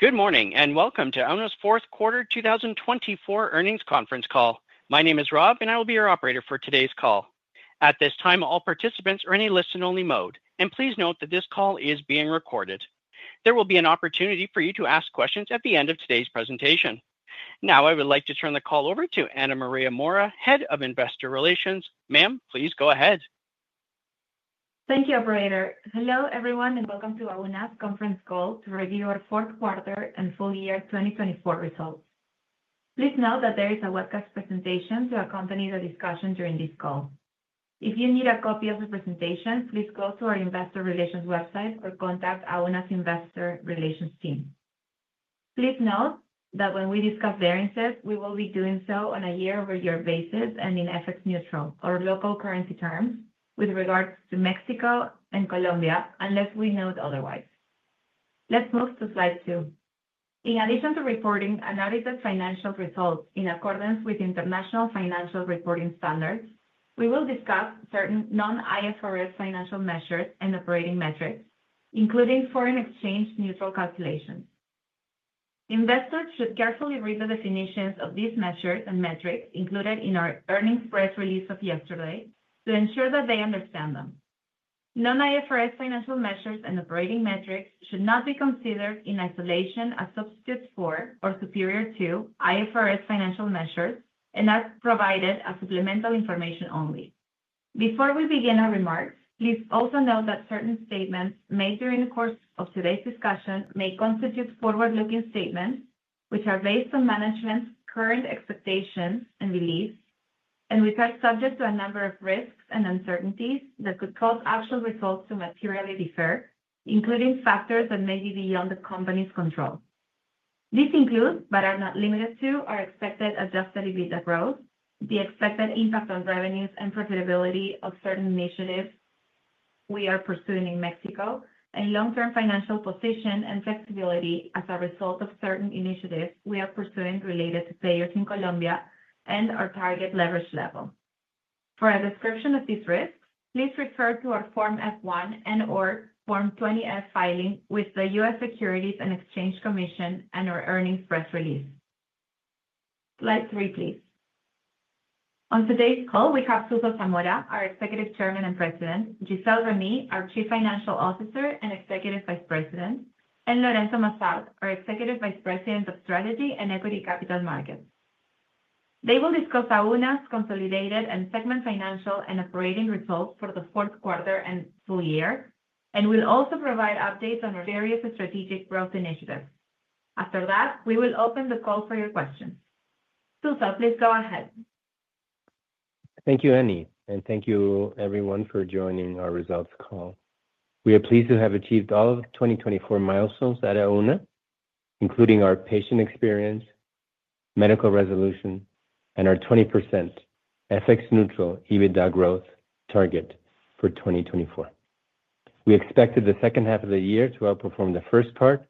Good morning and welcome to Auna's fourth quarter 2024 earnings conference call. My name is Rob, and I will be your operator for today's call. At this time, all participants are in a listen-only mode, and please note that this call is being recorded. There will be an opportunity for you to ask questions at the end of today's presentation. Now, I would like to turn the call over to Ana Maria Mora, Head of Investor Relations. Ma'am, please go ahead. Thank you, Operator. Hello everyone, and welcome to our conference call to review our fourth quarter and full year 2024 results. Please note that there is a webcast presentation to accompany the discussion during this call. If you need a copy of the presentation, please go to our Investor Relations website or contact our Investor Relations team. Please note that when we discuss variances, we will be doing so on a year-over-year basis and in FX neutral or local currency terms with regards to Mexico and Colombia, unless we note otherwise. Let's move to slide two. In addition to reporting analytic financial results in accordance with International Financial Reporting Standards, we will discuss certain non-IFRS financial measures and operating metrics, including foreign exchange neutral calculations. Investors should carefully read the definitions of these measures and metrics included in our earnings press release of yesterday to ensure that they understand them. Non-IFRS financial measures and operating metrics should not be considered in isolation as substitutes for or superior to IFRS financial measures and are provided as supplemental information only. Before we begin our remarks, please also note that certain statements made during the course of today's discussion may constitute forward-looking statements which are based on management's current expectations and beliefs and which are subject to a number of risks and uncertainties that could cause actual results to materially differ, including factors that may be beyond the company's control. These include, but are not limited to, our expected adjusted EBITDA growth, the expected impact on revenues and profitability of certain initiatives we are pursuing in Mexico, and long-term financial position and flexibility as a result of certain initiatives we are pursuing related to payers in Colombia and our target leverage level. For a description of these risks, please refer to our Form F-1 and/or Form 20-F filing with the U.S. Securities and Exchange Commission and our earnings press release. Slide three, please. On today's call, we have Suso Zamora, our Executive Chairman and President; Gisele Remy, our Chief Financial Officer and Executive Vice President; and Lorenzo Massart, our Executive Vice President of Strategy and Equity Capital Markets. They will discuss Auna's consolidated and segment financial and operating results for the fourth quarter and full year, and will also provide updates on various strategic growth initiatives. After that, we will open the call for your questions. Suso, please go ahead. Thank you, Annie, and thank you everyone for joining our results call. We are pleased to have achieved all 2024 milestones at Auna, including our patient experience, medical resolution, and our 20% FX neutral EBITDA growth target for 2024. We expected the second half of the year to outperform the first part,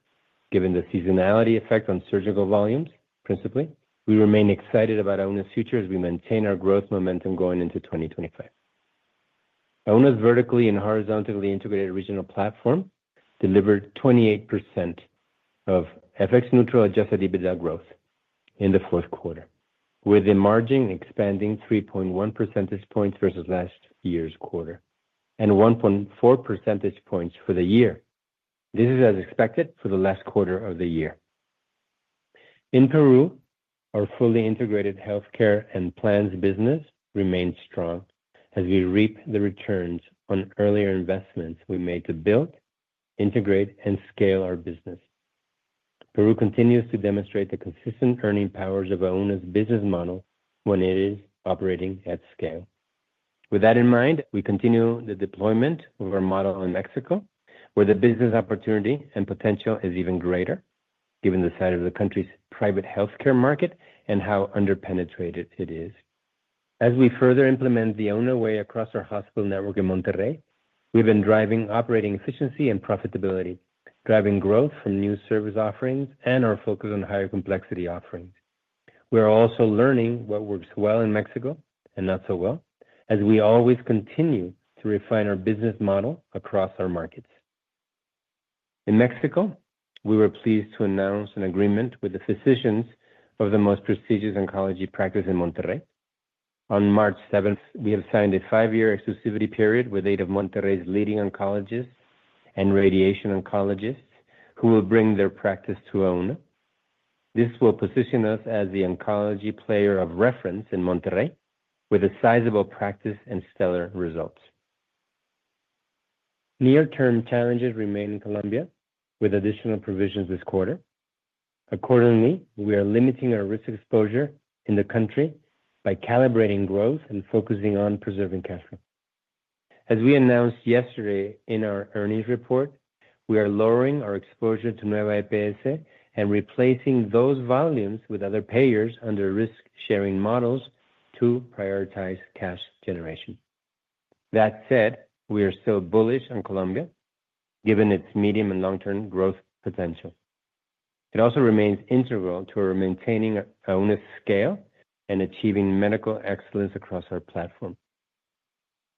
given the seasonality effect on surgical volumes. Principally, we remain excited about Auna's future as we maintain our growth momentum going into 2025. Auna's vertically and horizontally integrated regional platform delivered 28% of FX neutral adjusted EBITDA growth in the fourth quarter, with emerging and expanding 3.1 percentage points versus last year's quarter and 1.4 percentage points for the year. This is as expected for the last quarter of the year. In Peru, our fully integrated healthcare and plans business remains strong as we reap the returns on earlier investments we made to build, integrate, and scale our business. Peru continues to demonstrate the consistent earning powers of Auna's business model when it is operating at scale. With that in mind, we continue the deployment of our model in Mexico, where the business opportunity and potential is even greater, given the size of the country's private healthcare market and how under-penetrated it is. As we further implement the Auna way across our hospital network in Monterrey, we've been driving operating efficiency and profitability, driving growth from new service offerings and our focus on higher complexity offerings. We are also learning what works well in Mexico and not so well, as we always continue to refine our business model across our markets. In Mexico, we were pleased to announce an agreement with the physicians of the most prestigious oncology practice in Monterrey. On March 7th, we have signed a five-year exclusivity period with eight of Monterrey's leading oncologists and radiation oncologists who will bring their practice to Auna. This will position us as the oncology player of reference in Monterrey, with a sizable practice and stellar results. Near-term challenges remain in Colombia with additional provisions this quarter. Accordingly, we are limiting our risk exposure in the country by calibrating growth and focusing on preserving cash flow. As we announced yesterday in our earnings report, we are lowering our exposure to Nueva EPS and replacing those volumes with other payers under risk-sharing models to prioritize cash generation. That said, we are still bullish on Colombia, given its medium and long-term growth potential. It also remains integral to our maintaining Auna's scale and achieving medical excellence across our platform.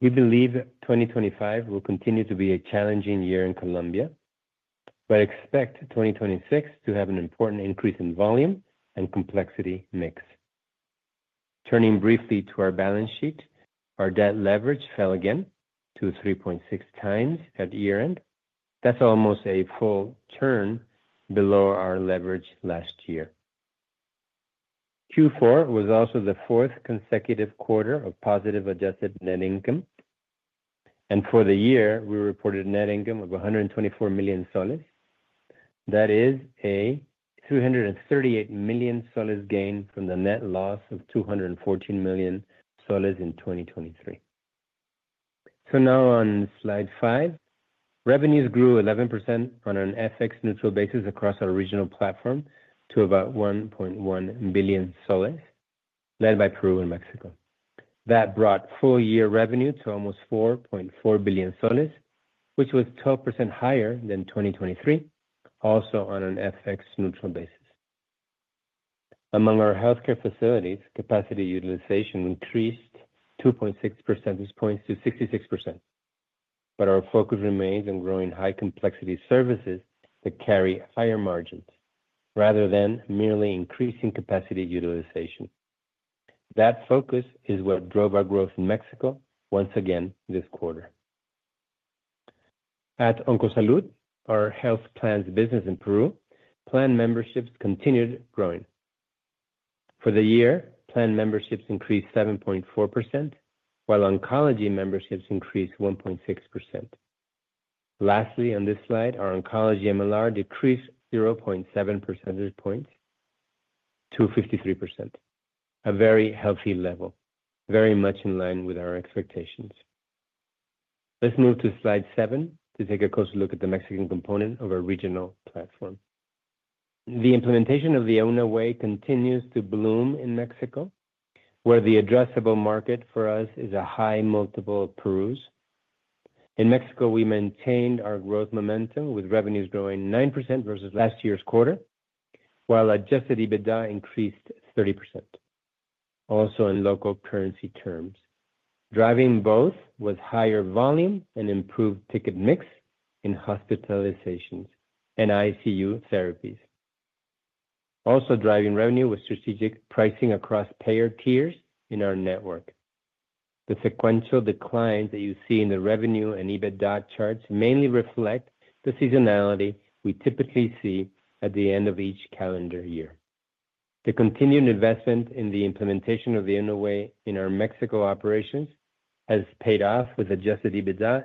We believe 2025 will continue to be a challenging year in Colombia, but expect 2026 to have an important increase in volume and complexity mix. Turning briefly to our balance sheet, our debt leverage fell again to 3.6x at year-end. That's almost a full turn below our leverage last year. Q4 was also the fourth consecutive quarter of positive adjusted net income, and for the year, we reported a net income of PEN 124 million. That is a PEN 338 million gain from the net loss of PEN 214 million in 2023. Now on slide five, revenues grew 11% on an FX neutral basis across our regional platform to about PEN 1.1 billion, led by Peru and Mexico. That brought full-year revenue to almost PEN 4.4 billion, which was 12% higher than 2023, also on an FX neutral basis. Among our healthcare facilities, capacity utilization increased 2.6 percentage points to 66%, but our focus remains on growing high-complexity services that carry higher margins rather than merely increasing capacity utilization. That focus is what drove our growth in Mexico once again this quarter. At Oncosalud, our health plans business in Peru, plan memberships continued growing. For the year, plan memberships increased 7.4%, while oncology memberships increased 1.6%. Lastly, on this slide, our oncology MLR decreased 0.7 percentage points to 53%, a very healthy level, very much in line with our expectations. Let's move to slide seven to take a closer look at the Mexican component of our regional platform. The implementation of the Auna way continues to bloom in Mexico, where the addressable market for us is a high multiple of Peru's. In Mexico, we maintained our growth momentum with revenues growing 9% versus last year's quarter, while adjusted EBITDA increased 30%, also in local currency terms, driving both with higher volume and improved ticket mix in hospitalizations and ICU therapies. Also driving revenue was strategic pricing across payer tiers in our network. The sequential declines that you see in the revenue and EBITDA charts mainly reflect the seasonality we typically see at the end of each calendar year. The continued investment in the implementation of the Auna way in our Mexico operations has paid off with adjusted EBITDA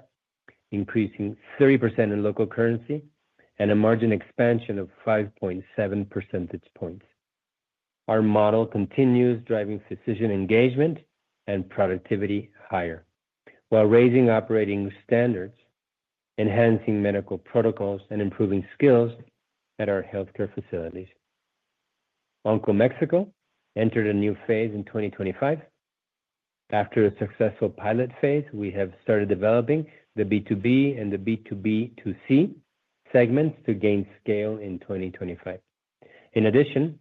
increasing 30% in local currency and a margin expansion of 5.7 percentage points. Our model continues driving physician engagement and productivity higher while raising operating standards, enhancing medical protocols, and improving skills at our healthcare facilities. OncoMexico entered a new phase in 2025. After a successful pilot phase, we have started developing the B2B and the B2B2C segments to gain scale in 2025. In addition,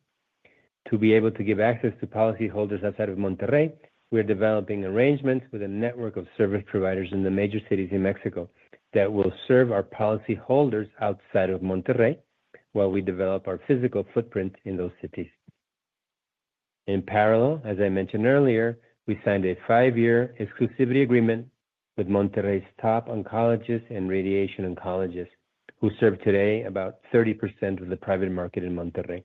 to be able to give access to policyholders outside of Monterrey, we're developing arrangements with a network of service providers in the major cities in Mexico that will serve our policyholders outside of Monterrey while we develop our physical footprint in those cities. In parallel, as I mentioned earlier, we signed a five-year exclusivity agreement with Monterrey's top oncologists and radiation oncologists, who serve today about 30% of the private market in Monterrey.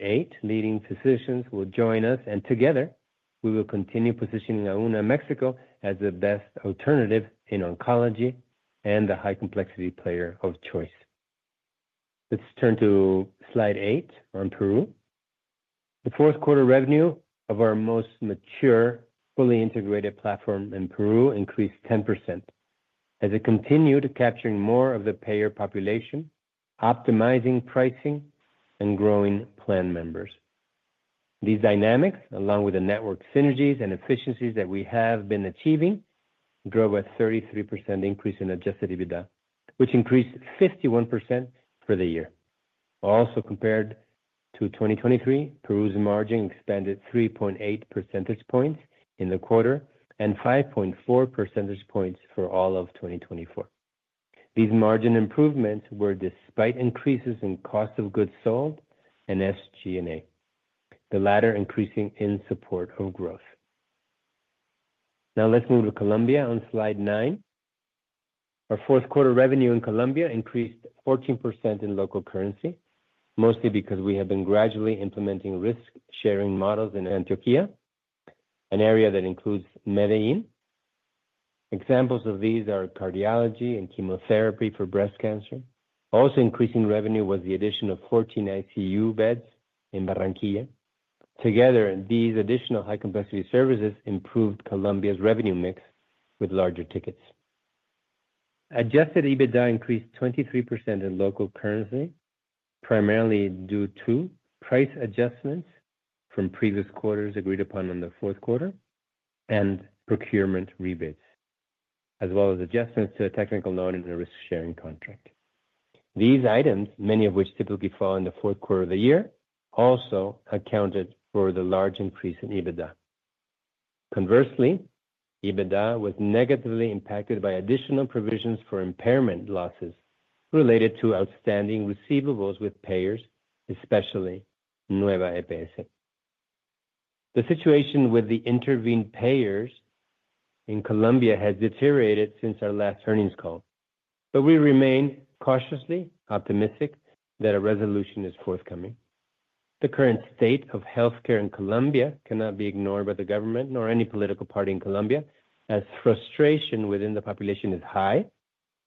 Eight leading physicians will join us, and together, we will continue positioning Auna Mexico as the best alternative in oncology and the high-complexity player of choice. Let's turn to slide eight on Peru. The fourth quarter revenue of our most mature, fully integrated platform in Peru increased 10% as it continued capturing more of the payer population, optimizing pricing, and growing plan members. These dynamics, along with the network synergies and efficiencies that we have been achieving, drove a 33% increase in adjusted EBITDA, which increased 51% for the year. Also compared to 2023, Peru's margin expanded 3.8 percentage points in the quarter and 5.4 percentage points for all of 2024. These margin improvements were despite increases in cost of goods sold and SG&A, the latter increasing in support of growth. Now let's move to Colombia on slide nine. Our fourth quarter revenue in Colombia increased 14% in local currency, mostly because we have been gradually implementing risk-sharing models in Antioquia, an area that includes Medellín. Examples of these are cardiology and chemotherapy for breast cancer. Also increasing revenue was the addition of 14 ICU beds in Barranquilla. Together, these additional high-complexity services improved Colombia's revenue mix with larger tickets. Adjusted EBITDA increased 23% in local currency, primarily due to price adjustments from previous quarters agreed upon in the fourth quarter and procurement rebates, as well as adjustments to a technical note in a risk-sharing contract. These items, many of which typically fall in the fourth quarter of the year, also accounted for the large increase in EBITDA. Conversely, EBITDA was negatively impacted by additional provisions for impairment losses related to outstanding receivables with payers, especially Nueva EPS. The situation with the intervened payers in Colombia has deteriorated since our last earnings call, but we remain cautiously optimistic that a resolution is forthcoming. The current state of healthcare in Colombia cannot be ignored by the government nor any political party in Colombia, as frustration within the population is high,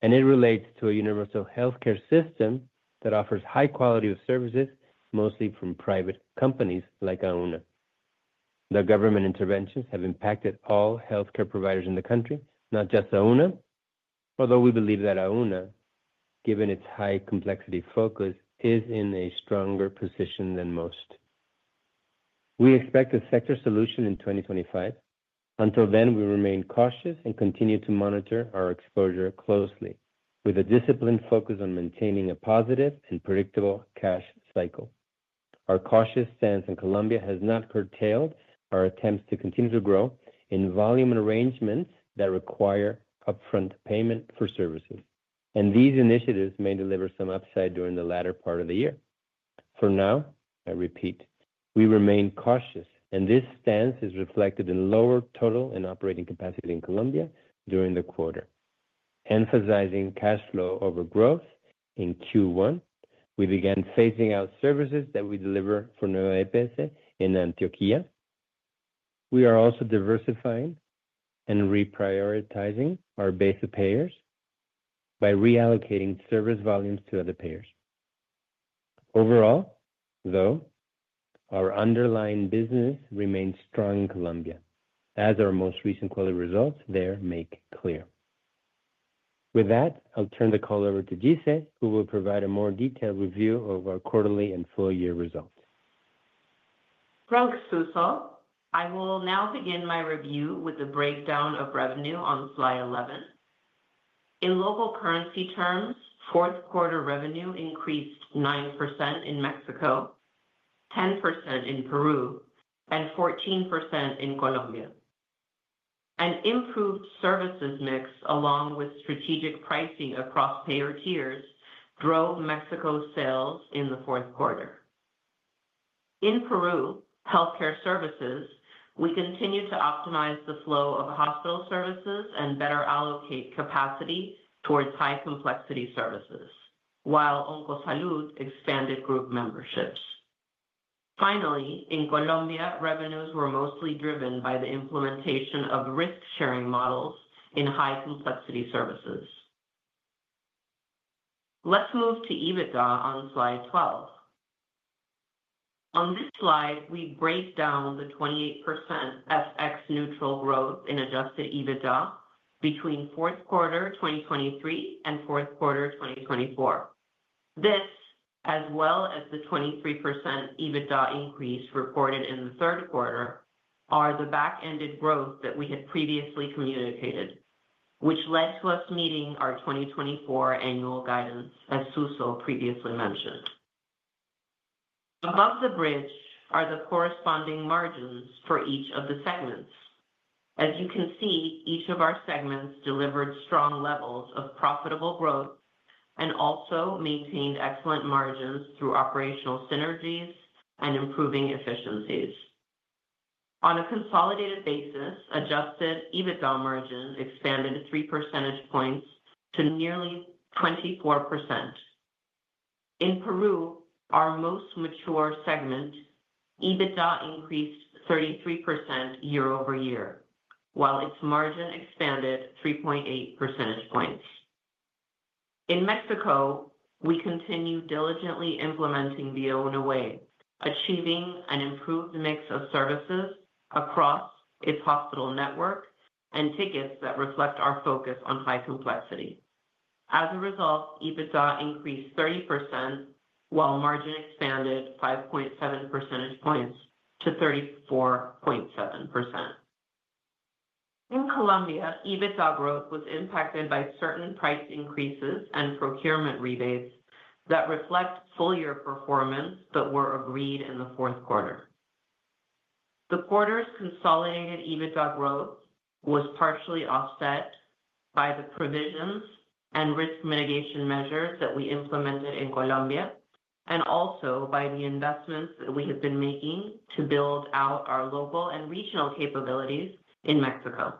and it relates to a universal healthcare system that offers high quality of services, mostly from private companies like Auna. The government interventions have impacted all healthcare providers in the country, not just Auna, although we believe that Auna, given its high-complexity focus, is in a stronger position than most. We expect a sector solution in 2025. Until then, we remain cautious and continue to monitor our exposure closely, with a disciplined focus on maintaining a positive and predictable cash cycle. Our cautious stance in Colombia has not curtailed our attempts to continue to grow in volume arrangements that require upfront payment for services, and these initiatives may deliver some upside during the latter part of the year. For now, I repeat, we remain cautious, and this stance is reflected in lower total and operating capacity in Colombia during the quarter. Emphasizing cash flow over growth in Q1, we began phasing out services that we deliver for Nueva EPS in Antioquia. We are also diversifying and reprioritizing our base of payers by reallocating service volumes to other payers. Overall, though, our underlying business remains strong in Colombia, as our most recent quality results there make clear. With that, I'll turn the call over to Gisele, who will provide a more detailed review of our quarterly and full-year results. Thanks, Suso. I will now begin my review with the breakdown of revenue on slide 11. In local currency terms, fourth quarter revenue increased 9% in Mexico, 10% in Peru, and 14% in Colombia. An improved services mix, along with strategic pricing across payer tiers, drove Mexico's sales in the fourth quarter. In Peru's healthcare services, we continue to optimize the flow of hospital services and better allocate capacity towards high-complexity services, while Oncosalud expanded group memberships. Finally, in Colombia, revenues were mostly driven by the implementation of risk-sharing models in high-complexity services. Let's move to EBITDA on slide 12. On this slide, we break down the 28% FX neutral growth in adjusted EBITDA between fourth quarter 2023 and fourth quarter 2024. This, as well as the 23% EBITDA increase reported in the third quarter, are the back-ended growth that we had previously communicated, which led to us meeting our 2024 annual guidance, as Suso previously mentioned. Above the bridge are the corresponding margins for each of the segments. As you can see, each of our segments delivered strong levels of profitable growth and also maintained excellent margins through operational synergies and improving efficiencies. On a consolidated basis, adjusted EBITDA margin expanded 3 percentage points to nearly 24%. In Peru, our most mature segment, EBITDA increased 33% year-over-year, while its margin expanded 3.8 percentage points. In Mexico, we continue diligently implementing the Auna way, achieving an improved mix of services across its hospital network and tickets that reflect our focus on high complexity. As a result, EBITDA increased 30%, while margin expanded 5.7 percentage points to 34.7%. In Colombia, EBITDA growth was impacted by certain price increases and procurement rebates that reflect full-year performance that were agreed in the fourth quarter. The quarter's consolidated EBITDA growth was partially offset by the provisions and risk mitigation measures that we implemented in Colombia, and also by the investments that we have been making to build out our local and regional capabilities in Mexico.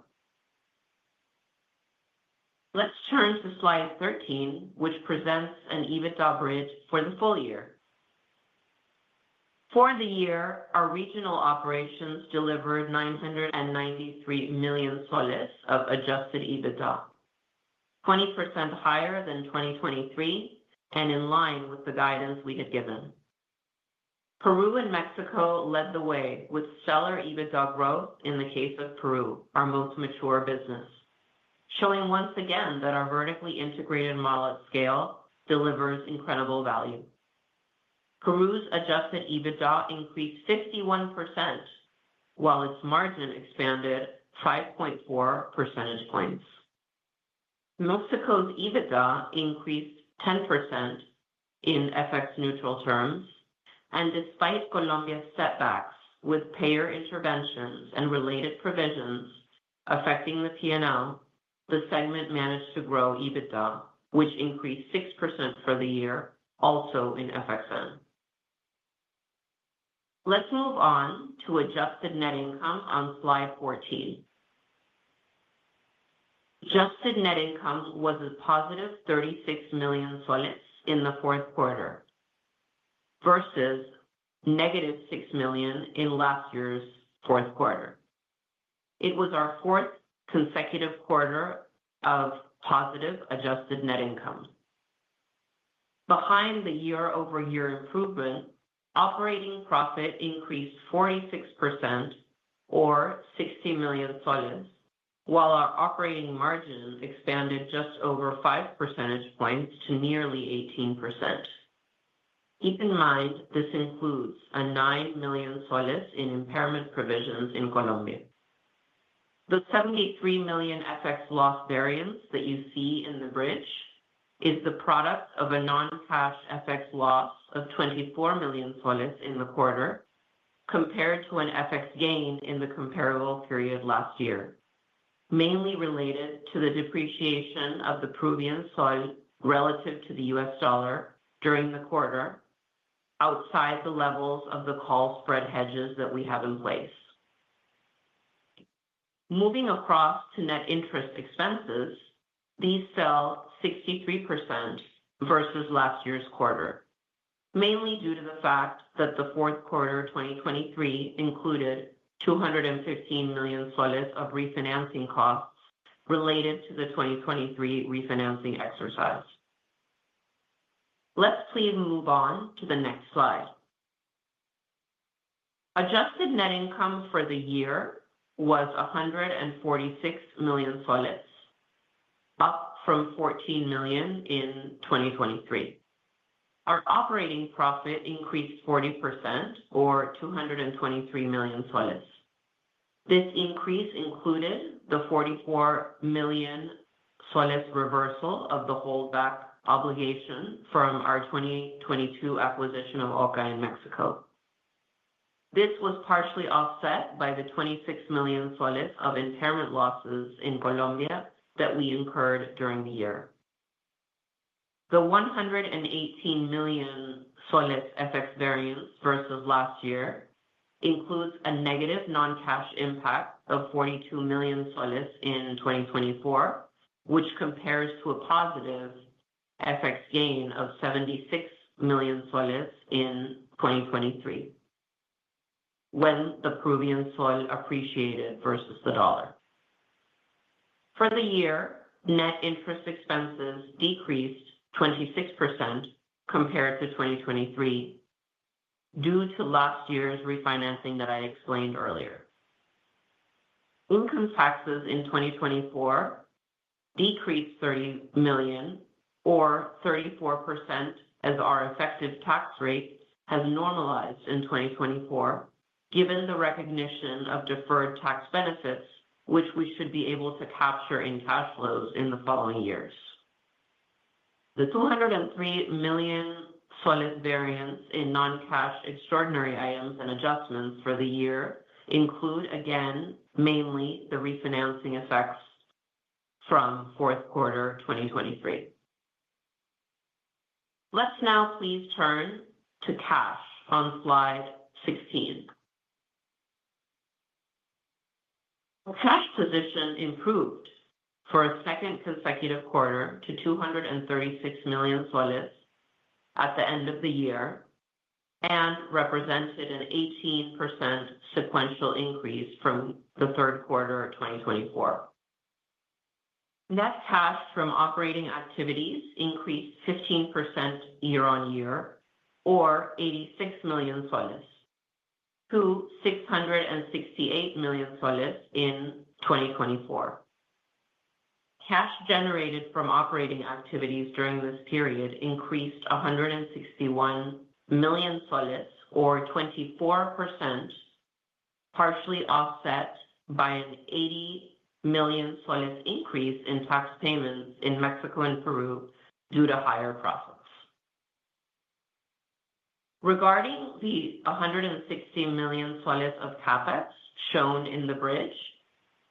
Let's turn to slide 13, which presents an EBITDA bridge for the full year. For the year, our regional operations delivered PEN 993 million of adjusted EBITDA, 20% higher than 2023 and in line with the guidance we had given. Peru and Mexico led the way with stellar EBITDA growth in the case of Peru, our most mature business, showing once again that our vertically integrated model at scale delivers incredible value. Peru's adjusted EBITDA increased 51%, while its margin expanded 5.4 percentage points. Mexico's EBITDA increased 10% in FX neutral terms, and despite Colombia's setbacks with payer interventions and related provisions affecting the P&L, the segment managed to grow EBITDA, which increased 6% for the year, also in FXN. Let's move on to adjusted net income on slide 14. Adjusted net income was a PEN +36 million in the fourth quarter versus PEN -6 million in last year's fourth quarter. It was our fourth consecutive quarter of positive adjusted net income. Behind the year-over-year improvement, operating profit increased 46%, or PEN 60 million, while our operating margin expanded just over 5 percentage points to nearly 18%. Keep in mind this includes a PEN 9 million in impairment provisions in Colombia. The PEN 73 million FX loss variance that you see in the bridge is the product of a non-cash FX loss of PEN 24 million in the quarter compared to an FX gain in the comparable period last year, mainly related to the depreciation of the Peruvian sol relative to the U.S. dollar during the quarter outside the levels of the call spread hedges that we have in place. Moving across to net interest expenses, these fell 63% versus last year's quarter, mainly due to the fact that the fourth quarter 2023 included PEN 215 million of refinancing costs related to the 2023 refinancing exercise. Let's please move on to the next slide. Adjusted net income for the year was PEN 146 million, up from PEN 14 million in 2023. Our operating profit increased 40%, or PEN 223 million. This increase included the PEN 44 million reversal of the holdback obligation from our 2022 acquisition of OCA in Mexico. This was partially offset by the PEN 26 million of impairment losses in Colombia that we incurred during the year. The PEN 118 million FX variance versus last year includes a negative non-cash impact of PEN 42 million in 2024, which compares to a positive FX gain of PEN 76 million in 2023 when the Peruvian sol appreciated versus the dollar. For the year, net interest expenses decreased 26% compared to 2023 due to last year's refinancing that I explained earlier. Income taxes in 2024 decreased PEN 30 million, or 34%, as our effective tax rate has normalized in 2024, given the recognition of deferred tax benefits, which we should be able to capture in cash flows in the following years. The PEN 203 million variance in non-cash extraordinary items and adjustments for the year include, again, mainly the refinancing effects from fourth quarter 2023. Let's now please turn to cash on slide 16. The cash position improved for a second consecutive quarter to PEN 236 million at the end of the year and represented an 18% sequential increase from the third quarter 2024. Net cash from operating activities increased 15% year-on-year, or PEN 86 million, to PEN 668 million in 2024. Cash generated from operating activities during this period increased PEN 161 million, or 24%, partially offset by a PEN 80 million increase in tax payments in Mexico and Peru due to higher profits. Regarding the PEN 160 million of CapEx shown in the bridge,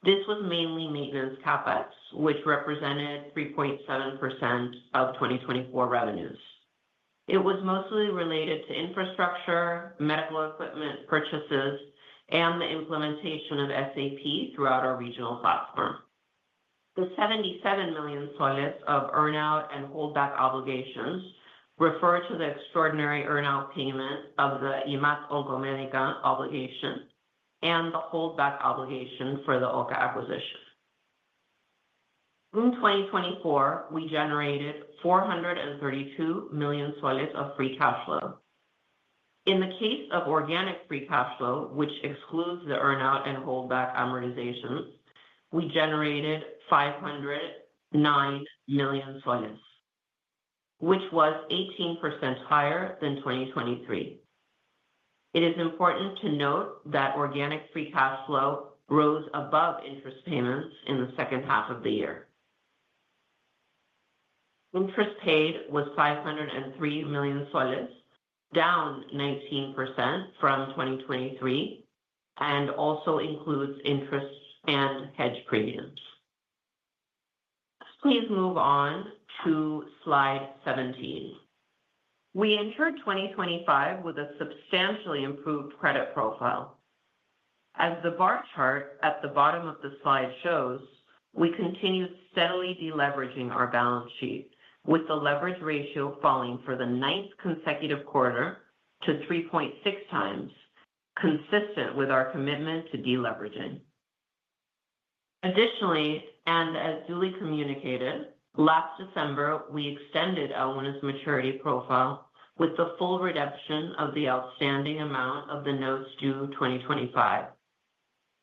this was mainly maintenance CapEx, which represented 3.7% of 2024 revenues. It was mostly related to infrastructure, medical equipment purchases, and the implementation of SAP throughout our regional platform. The PEN 77 million of earn-out and holdback obligations refer to the extraordinary earn-out payment of the IMAT Oncomédica obligation and the holdback obligation for the OCA acquisition. In 2024, we generated PEN 432 million of free cash flow. In the case of organic free cash flow, which excludes the earn-out and holdback amortizations, we generated PEN 509 million, which was 18% higher than 2023. It is important to note that organic free cash flow rose above interest payments in the second half of the year. Interest paid was PEN 503 million, down 19% from 2023, and also includes interest and hedge premiums. Please move on to slide 17. We entered 2025 with a substantially improved credit profile. As the bar chart at the bottom of the slide shows, we continued steadily deleveraging our balance sheet, with the leverage ratio falling for the ninth consecutive quarter to 3.6x, consistent with our commitment to deleveraging. Additionally, and as duly communicated, last December, we extended Auna's maturity profile with the full redemption of the outstanding amount of the notes due 2025.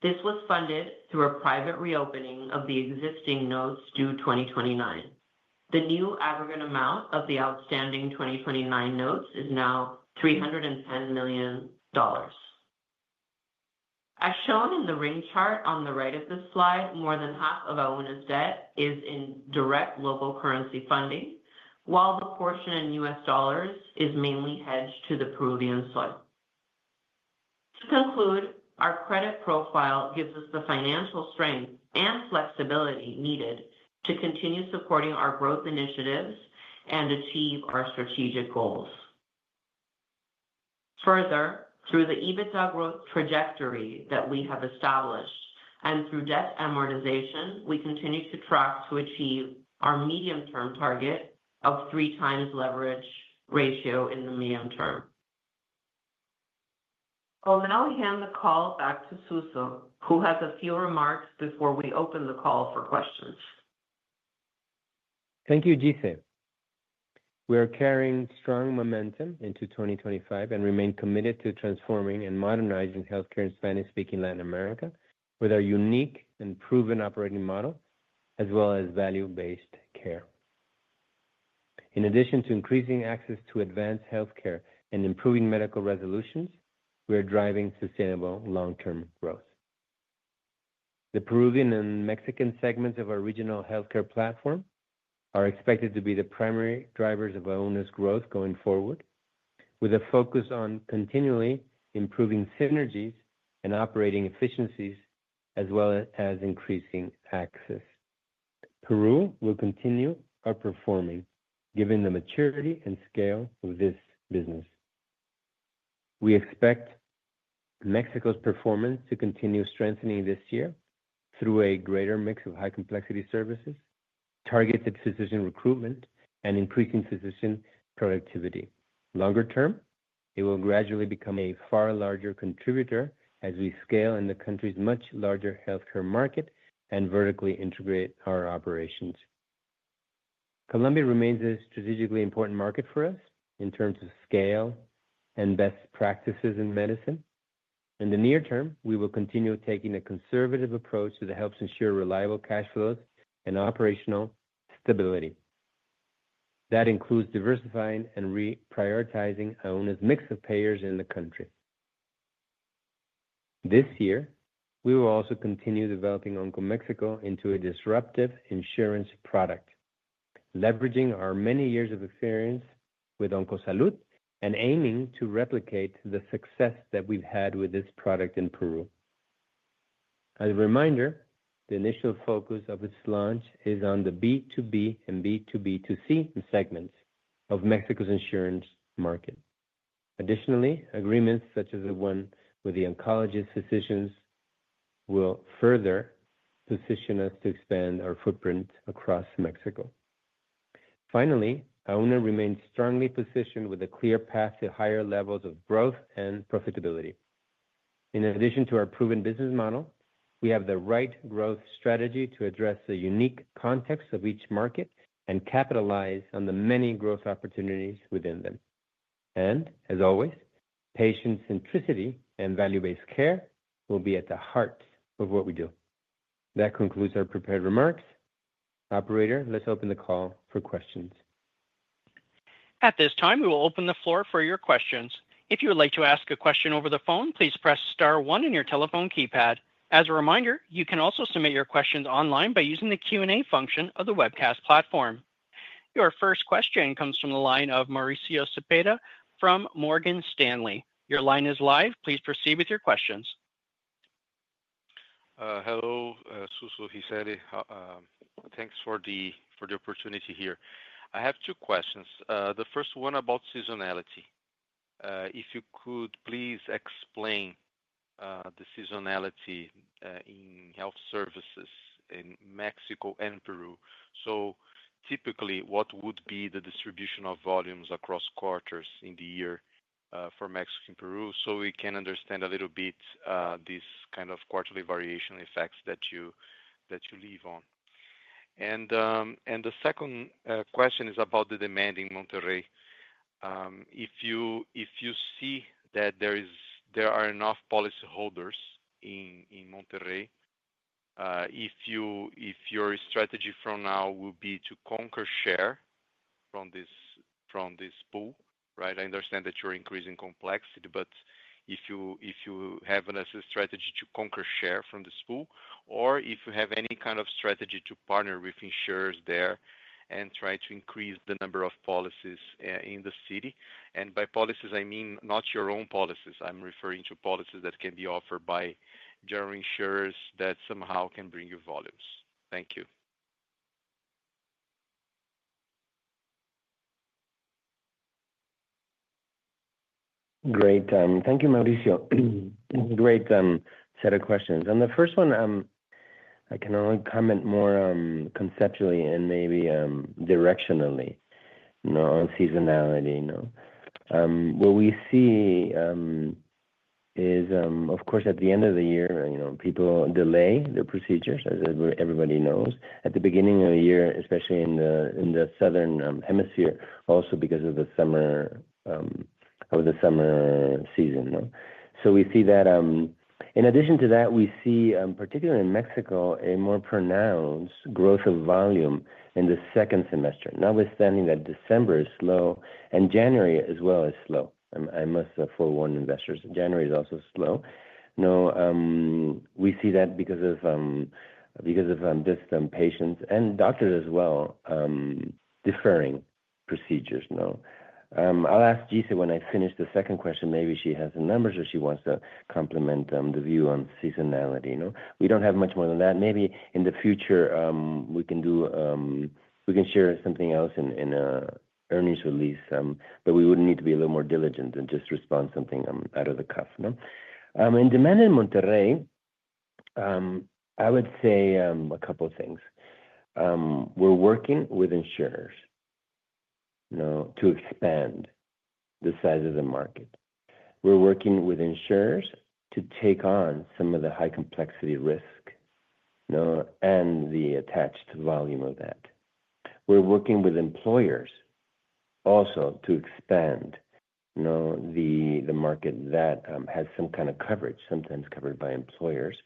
This was funded through a private reopening of the existing notes due 2029. The new aggregate amount of the outstanding 2029 notes is now $310 million. As shown in the ring chart on the right of this slide, more than half of Auna's debt is in direct local currency funding, while the portion in U.S. dollars is mainly hedged to the Peruvian sol. To conclude, our credit profile gives us the financial strength and flexibility needed to continue supporting our growth initiatives and achieve our strategic goals. Further, through the EBITDA growth trajectory that we have established and through debt amortization, we continue to track to achieve our medium-term target of three times leverage ratio in the medium term. I'll now hand the call back to Suso, who has a few remarks before we open the call for questions. Thank you, Gisele. We are carrying strong momentum into 2025 and remain committed to transforming and modernizing healthcare in Spanish-speaking Latin America with our unique and proven operating model, as well as value-based care. In addition to increasing access to advanced healthcare and improving medical resolutions, we are driving sustainable long-term growth. The Peruvian and Mexican segments of our regional healthcare platform are expected to be the primary drivers of Auna's growth going forward, with a focus on continually improving synergies and operating efficiencies, as well as increasing access. Peru will continue our performing, given the maturity and scale of this business. We expect Mexico's performance to continue strengthening this year through a greater mix of high-complexity services, targeted physician recruitment, and increasing physician productivity. Longer term, it will gradually become a far larger contributor as we scale in the country's much larger healthcare market and vertically integrate our operations. Colombia remains a strategically important market for us in terms of scale and best practices in medicine. In the near term, we will continue taking a conservative approach that helps ensure reliable cash flows and operational stability. That includes diversifying and reprioritizing Auna's mix of payers in the country. This year, we will also continue developing OncoMexico into a disruptive insurance product, leveraging our many years of experience with OncoSalud and aiming to replicate the success that we've had with this product in Peru. As a reminder, the initial focus of its launch is on the B2B and B2B2C segments of Mexico's insurance market. Additionally, agreements such as the one with the oncologist physicians will further position us to expand our footprint across Mexico. Finally, Auna remains strongly positioned with a clear path to higher levels of growth and profitability. In addition to our proven business model, we have the right growth strategy to address the unique context of each market and capitalize on the many growth opportunities within them. As always, patient centricity and value-based care will be at the heart of what we do. That concludes our prepared remarks. Operator, let's open the call for questions. At this time, we will open the floor for your questions. If you would like to ask a question over the phone, please press star one in your telephone keypad. As a reminder, you can also submit your questions online by using the Q&A function of the webcast platform. Your first question comes from the line of Mauricio Zapata from Morgan Stanley. Your line is live. Please proceed with your questions. Hello, Suso, Gisele. Thanks for the opportunity here. I have two questions. The first one about seasonality. If you could please explain the seasonality in health services in Mexico and Peru. Typically, what would be the distribution of volumes across quarters in the year for Mexico and Peru so we can understand a little bit this kind of quarterly variation effects that you live on? The second question is about the demand in Monterrey. If you see that there are enough policyholders in Monterrey, if your strategy from now will be to conquer share from this pool, right? I understand that you're increasing complexity, but if you have a strategy to conquer share from this pool, or if you have any kind of strategy to partner with insurers there and try to increase the number of policies in the city. And by policies, I mean not your own policies. I'm referring to policies that can be offered by general insurers that somehow can bring you volumes. Thank you. Great. Thank you, Mauricio. Great set of questions. The first one, I can only comment more conceptually and maybe directionally on seasonality, no? What we see is, of course, at the end of the year, people delay their procedures, as everybody knows. At the beginning of the year, especially in the southern hemisphere, also because of the summer season, no? We see that. In addition to that, we see, particularly in Mexico, a more pronounced growth of volume in the second semester. Notwithstanding that December is slow and January as well is slow, I must forewarn investors. January is also slow. We see that because of this, patients and doctors as well deferring procedures, no? I'll ask Gisele when I finish the second question. Maybe she has the numbers or she wants to complement the view on seasonality, no? We do not have much more than that. Maybe in the future, we can share something else in earnings release, but we would need to be a little more diligent and just respond something out of the cuff, no? In demand in Monterrey, I would say a couple of things. We are working with insurers to expand the size of the market. We're working with insurers to take on some of the high-complexity risk and the attached volume of that. We're working with employers also to expand the market that has some kind of coverage, sometimes covered by employers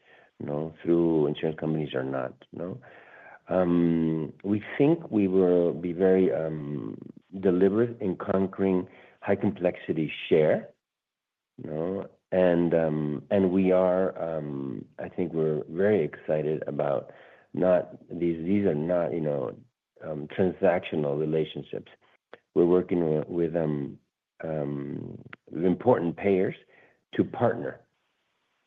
through insurance companies or not, no? We think we will be very deliberate in conquering high-complexity share, no? I think we're very excited about not these are not transactional relationships. We're working with important payers to partner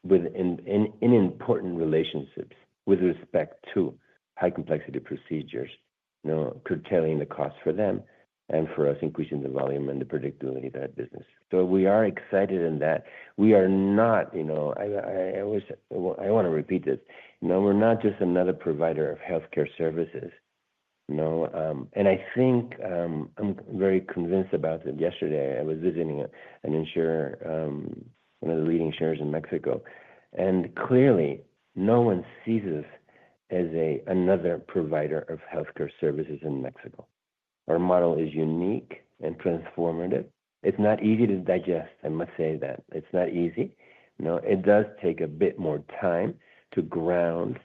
in important relationships with respect to high-complexity procedures, curtailing the cost for them and for us increasing the volume and the predictability of that business. We are excited in that. We are not, I want to repeat this. We're not just another provider of healthcare services, no? I think I'm very convinced about it. Yesterday, I was visiting an insurer, one of the leading insurers in Mexico. Clearly, no one sees us as another provider of healthcare services in Mexico. Our model is unique and transformative. It's not easy to digest, I must say that. It's not easy. It does take a bit more time to ground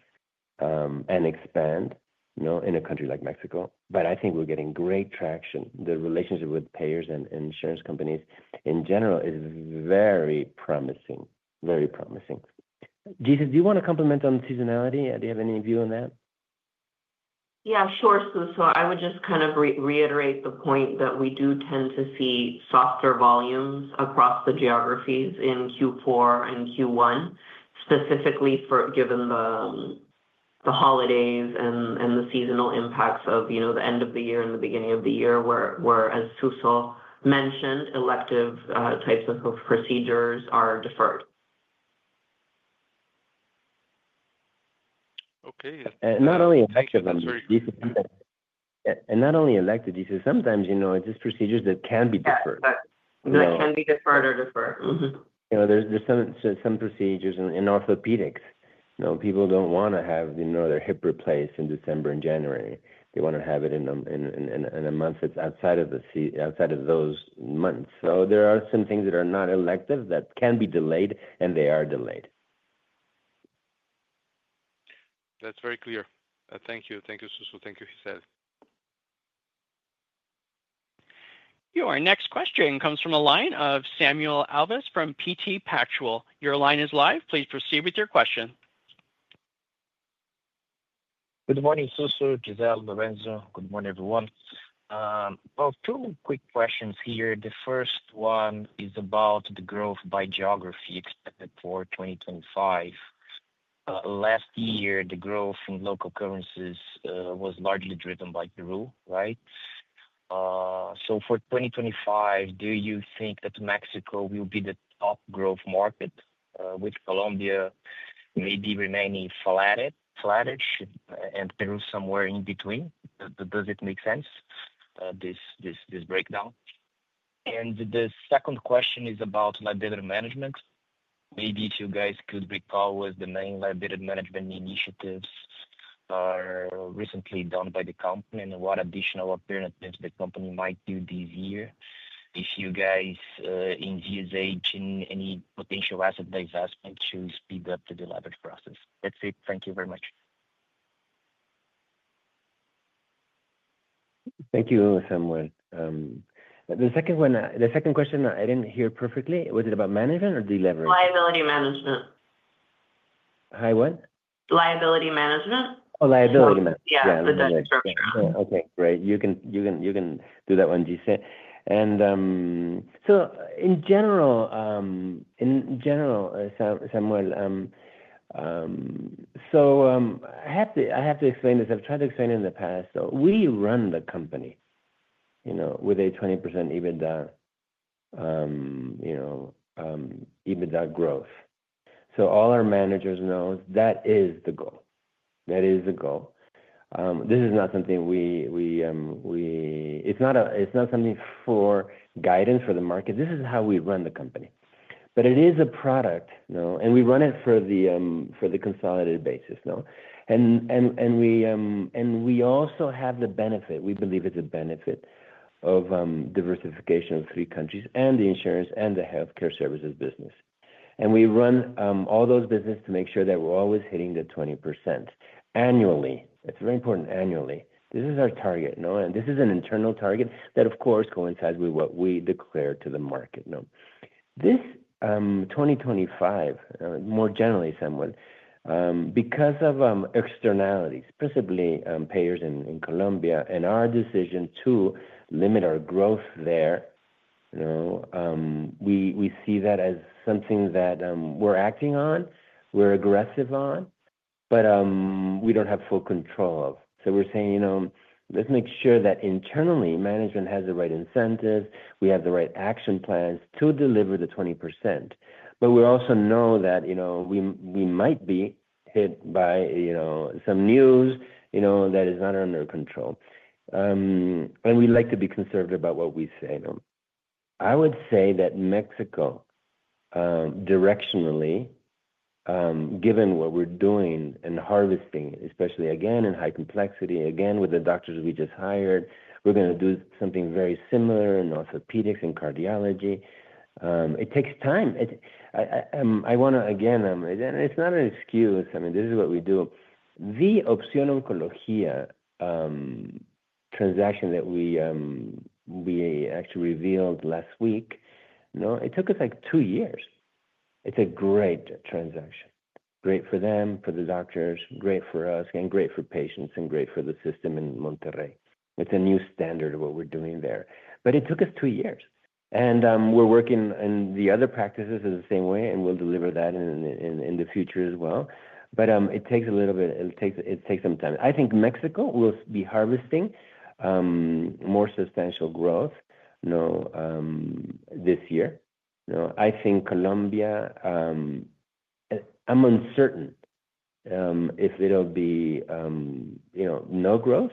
and expand in a country like Mexico. I think we're getting great traction. The relationship with payers and insurance companies in general is very promising, very promising. Gisele, do you want to complement on seasonality? Do you have any view on that? Yeah, sure, Suso. I would just kind of reiterate the point that we do tend to see softer volumes across the geographies in Q4 and Q1, specifically given the holidays and the seasonal impacts of the end of the year and the beginning of the year, where, as Suso mentioned, elective types of procedures are deferred. Okay. Not only elective, Gisele, sometimes it's just procedures that can be deferred. That can be deferred or deferred. There's some procedures in orthopedics. People don't want to have their hip replaced in December and January. They want to have it in a month that's outside of those months. There are some things that are not elective that can be delayed, and they are delayed. That's very clear. Thank you. Thank you, Suso. Thank you, Gisele. Your next question comes from a line of Samuel Alves from BTG Pactual. Your line is live. Please proceed with your question. Good morning, Suso, Gisele, Lorenzo. Good morning, everyone. Two quick questions here. The first one is about the growth by geography expected for 2025. Last year, the growth in local currencies was largely driven by Peru, right? For 2025, do you think that Mexico will be the top growth market, with Colombia maybe remaining flattish and Peru somewhere in between? Does it make sense, this breakdown? The second question is about liability management. Maybe if you guys could recall what the main liability management initiatives are recently done by the company and what additional alternatives the company might do this year if you guys envisage any potential asset divestment to speed up the delivery process. That's it. Thank you very much. Thank you, Samuel. The second question, I didn't hear perfectly. Was it about management or delivery? Liability management. High what? Liability management. Oh, liability management. Yeah, the debt structure. Okay, great. You can do that one, Gisele. In general, Samuel, I have to explain this. I've tried to explain it in the past. We run the company with a 20% EBITDA growth. All our managers know that is the goal. That is the goal. This is not something we, it's not something for guidance for the market. This is how we run the company. It is a product, and we run it for the consolidated basis. We also have the benefit, we believe is a benefit, of diversification of three countries and the insurance and the healthcare services business. We run all those businesses to make sure that we're always hitting the 20% annually. It's very important annually. This is our target. This is an internal target that, of course, coincides with what we declare to the market. This 2025, more generally, Samuel, because of externalities, principally payers in Colombia and our decision to limit our growth there, we see that as something that we're acting on, we're aggressive on, but we don't have full control of. We are saying, "Let's make sure that internally, management has the right incentives. We have the right action plans to deliver the 20%." We also know that we might be hit by some news that is not under control. We like to be conservative about what we say. I would say that Mexico, directionally, given what we're doing and harvesting, especially again in high complexity, again with the doctors we just hired, we're going to do something very similar in orthopedics and cardiology. It takes time. I want to, again, and it's not an excuse. I mean, this is what we do. The Opción Oncología transaction that we actually revealed last week, it took us like two years. It's a great transaction. Great for them, for the doctors, great for us, and great for patients and great for the system in Monterrey. It's a new standard of what we're doing there. It took us two years. We're working in the other practices in the same way, and we'll deliver that in the future as well. It takes a little bit, it takes some time. I think Mexico will be harvesting more substantial growth this year. I think Colombia, I'm uncertain if it'll be no growth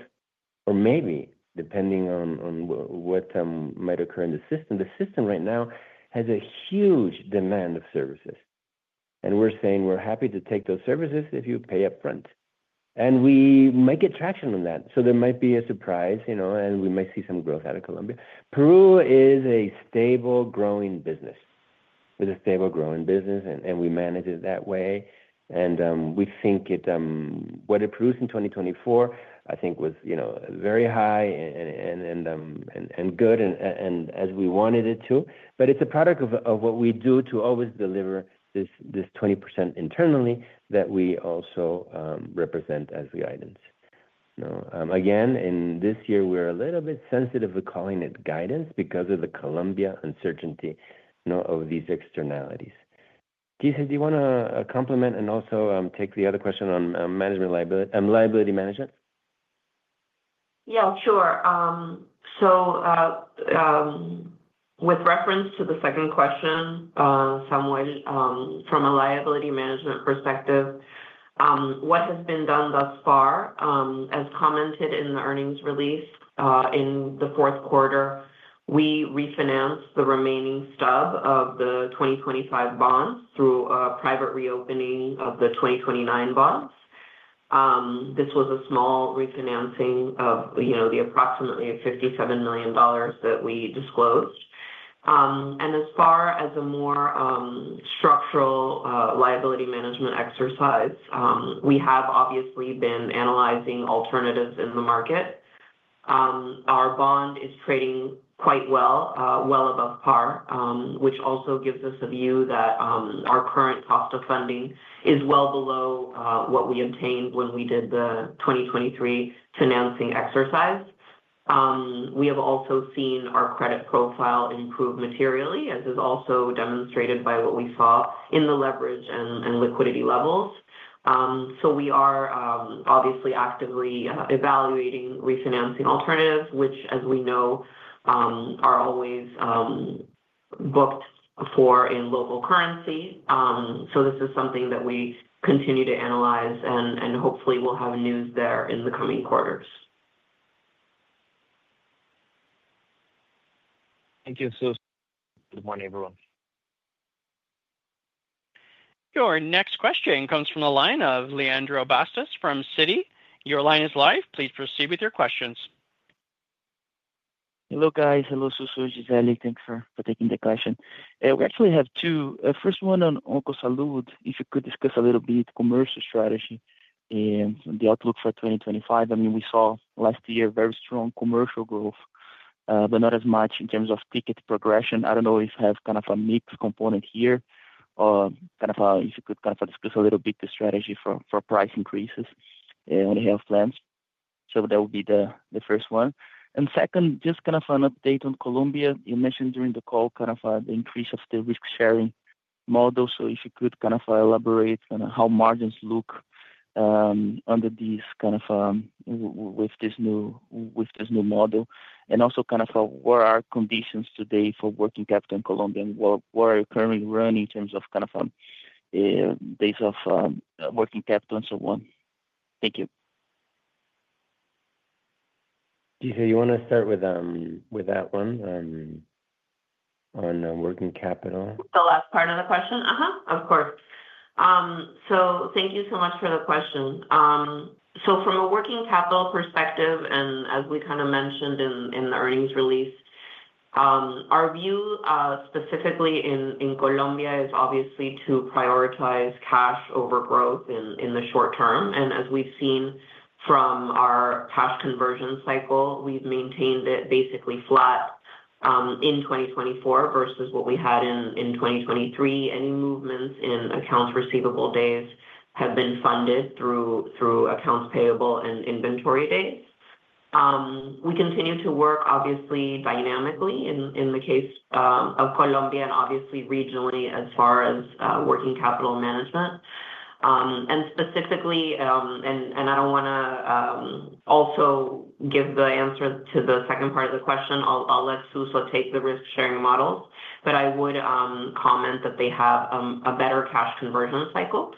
or maybe, depending on what might occur in the system. The system right now has a huge demand of services. We're saying we're happy to take those services if you pay upfront. We might get traction on that. There might be a surprise, and we might see some growth out of Colombia. Peru is a stable growing business. It's a stable growing business, and we manage it that way. We think what it produced in 2024, I think, was very high and good and as we wanted it to. It's a product of what we do to always deliver this 20% internally that we also represent as guidance. Again, in this year, we're a little bit sensitive to calling it guidance because of the Colombia uncertainty of these externalities. Gisele, do you want to complement and also take the other question on liability management? Yeah, sure. With reference to the second question, Samuel, from a liability management perspective, what has been done thus far, as commented in the earnings release in the fourth quarter, we refinanced the remaining stub of the 2025 bonds through a private reopening of the 2029 bonds. This was a small refinancing of the approximately $57 million that we disclosed. As far as a more structural liability management exercise, we have obviously been analyzing alternatives in the market. Our bond is trading quite well, well above par, which also gives us a view that our current cost of funding is well below what we obtained when we did the 2023 financing exercise. We have also seen our credit profile improve materially, as is also demonstrated by what we saw in the leverage and liquidity levels. We are obviously actively evaluating refinancing alternatives, which, as we know, are always booked for in local currency. This is something that we continue to analyze and hopefully will have news there in the coming quarters. Thank you, Suso. Good morning, everyone. Your next question comes from the line of Leandro Bastos from Citi. Your line is live. Please proceed with your questions. Hello, guys. Hello, Suso, Gisele. Thanks for taking the question. We actually have two. First one on Oncosalud, if you could discuss a little bit commercial strategy and the outlook for 2025. I mean, we saw last year very strong commercial growth, but not as much in terms of ticket progression. I do not know if you have kind of a mixed component here or if you could discuss a little bit the strategy for price increases on the health plans. That would be the first one. Second, just kind of an update on Colombia. You mentioned during the call the increase of the risk-sharing model. If you could elaborate on how margins look under these with this new model. Also, what are conditions today for working capital in Colombia and what are you currently running in terms of days of working capital and so on. Thank you. Gisele, you want to start with that one on working capital? The last part of the question? Of course. Thank you so much for the question. From a working capital perspective, and as we mentioned in the earnings release, our view specifically in Colombia is obviously to prioritize cash over growth in the short term. As we have seen from our cash conversion cycle, we have maintained it basically flat in 2024 versus what we had in 2023. Any movements in accounts receivable days have been funded through accounts payable and inventory days. We continue to work, obviously, dynamically in the case of Colombia and obviously regionally as far as working capital management. Specifically, and I do not want to also give the answer to the second part of the question, I will let Suso take the risk-sharing models. I would comment that they have a better cash conversion cycle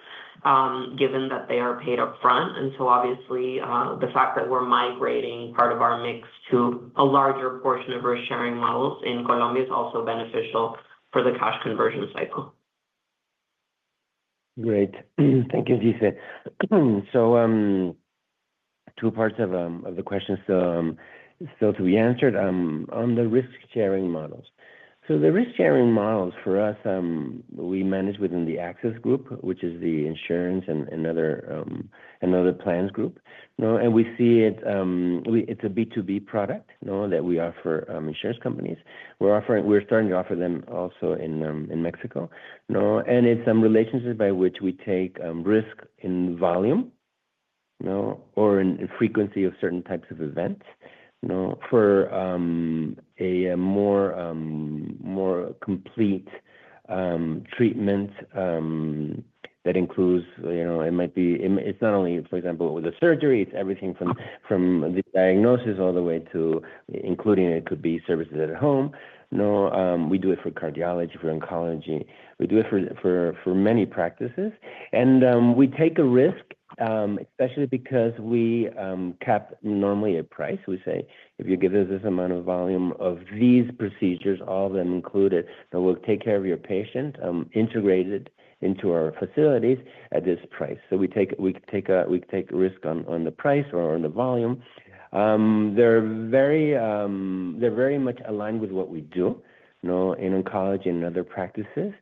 given that they are paid upfront. Obviously, the fact that we are migrating part of our mix to a larger portion of risk-sharing models in Colombia is also beneficial for the cash conversion cycle. Great. Thank you, Gisele. Two parts of the questions still to be answered on the risk-sharing models. The risk-sharing models for us, we manage within the Axis Group, which is the insurance and other plans group. We see it's a B2B product that we offer insurance companies. We're starting to offer them also in Mexico. It's a relationship by which we take risk in volume or in frequency of certain types of events for a more complete treatment that includes it might be it's not only, for example, with the surgery. It's everything from the diagnosis all the way to including it could be services at home. We do it for cardiology, for oncology. We do it for many practices. We take a risk, especially because we cap normally a price. We say, "If you give us this amount of volume of these procedures, all of them included, then we'll take care of your patient, integrated into our facilities at this price." We take a risk on the price or on the volume. They're very much aligned with what we do in oncology and other practices.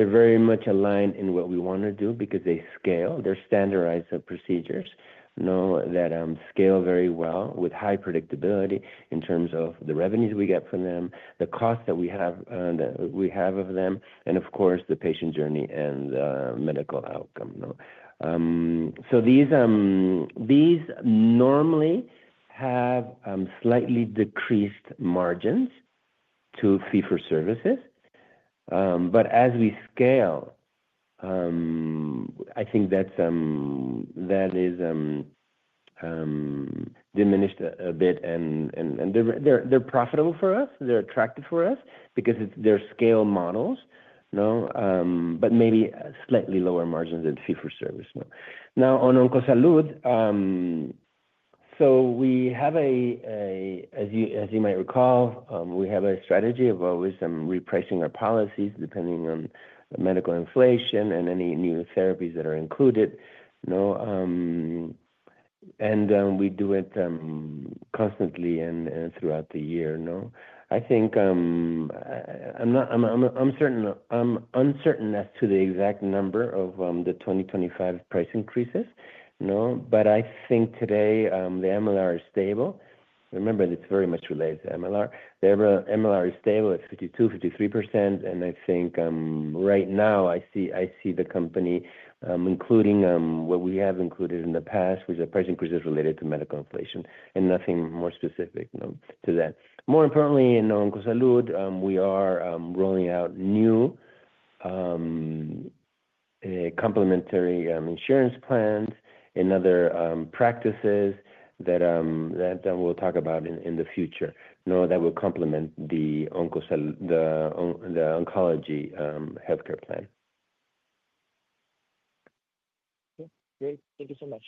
They're very much aligned in what we want to do because they scale. They're standardized procedures that scale very well with high predictability in terms of the revenues we get from them, the cost that we have of them, and of course, the patient journey and the medical outcome. These normally have slightly decreased margins to fee for services. As we scale, I think that is diminished a bit. They're profitable for us. They're attractive for us because they're scale models, but maybe slightly lower margins than fee for service. Now, on Oncosalud, we have a, as you might recall, we have a strategy of always repricing our policies depending on medical inflation and any new therapies that are included. We do it constantly and throughout the year. I think I'm uncertain as to the exact number of the 2025 price increases. I think today the MLR is stable. Remember, it's very much related to MLR. The MLR is stable at 52%-53%. I think right now I see the company, including what we have included in the past, which are price increases related to medical inflation and nothing more specific to that. More importantly, in Oncosalud, we are rolling out new complementary insurance plans in other practices that we'll talk about in the future that will complement the oncology healthcare plan. Okay. Great. Thank you so much.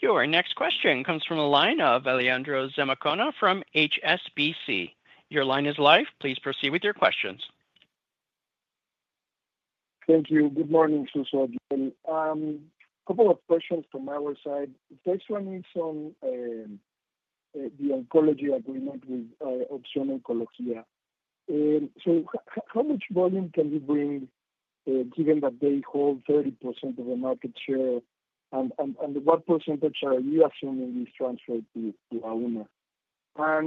Your next question comes from the line of Alejandro Zamacona from HSBC. Your line is live. Please proceed with your questions. Thank you. Good morning, Suso. A couple of questions from our side. The first one is on the oncology agreement with Oncosalud. How much volume can you bring given that they hold 30% of the market share? What percentage are you assuming is transferred to Auna?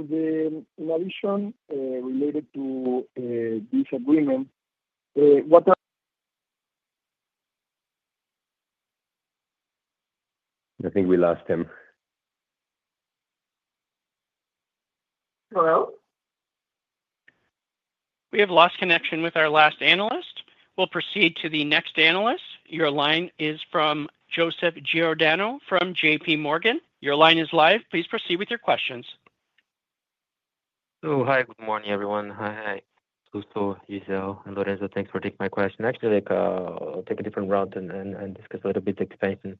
In addition, related to this agreement, what are I think we lost him. Hello? We have lost connection with our last analyst. We'll proceed to the next analyst. Your line is from Joseph Giordano from JPMorgan. Your line is live. Please proceed with your questions. Hi, good morning, everyone. Hi, Suso, Gisele, and Lorenzo. Thanks for taking my question. Actually, take a different route and discuss a little bit the expansion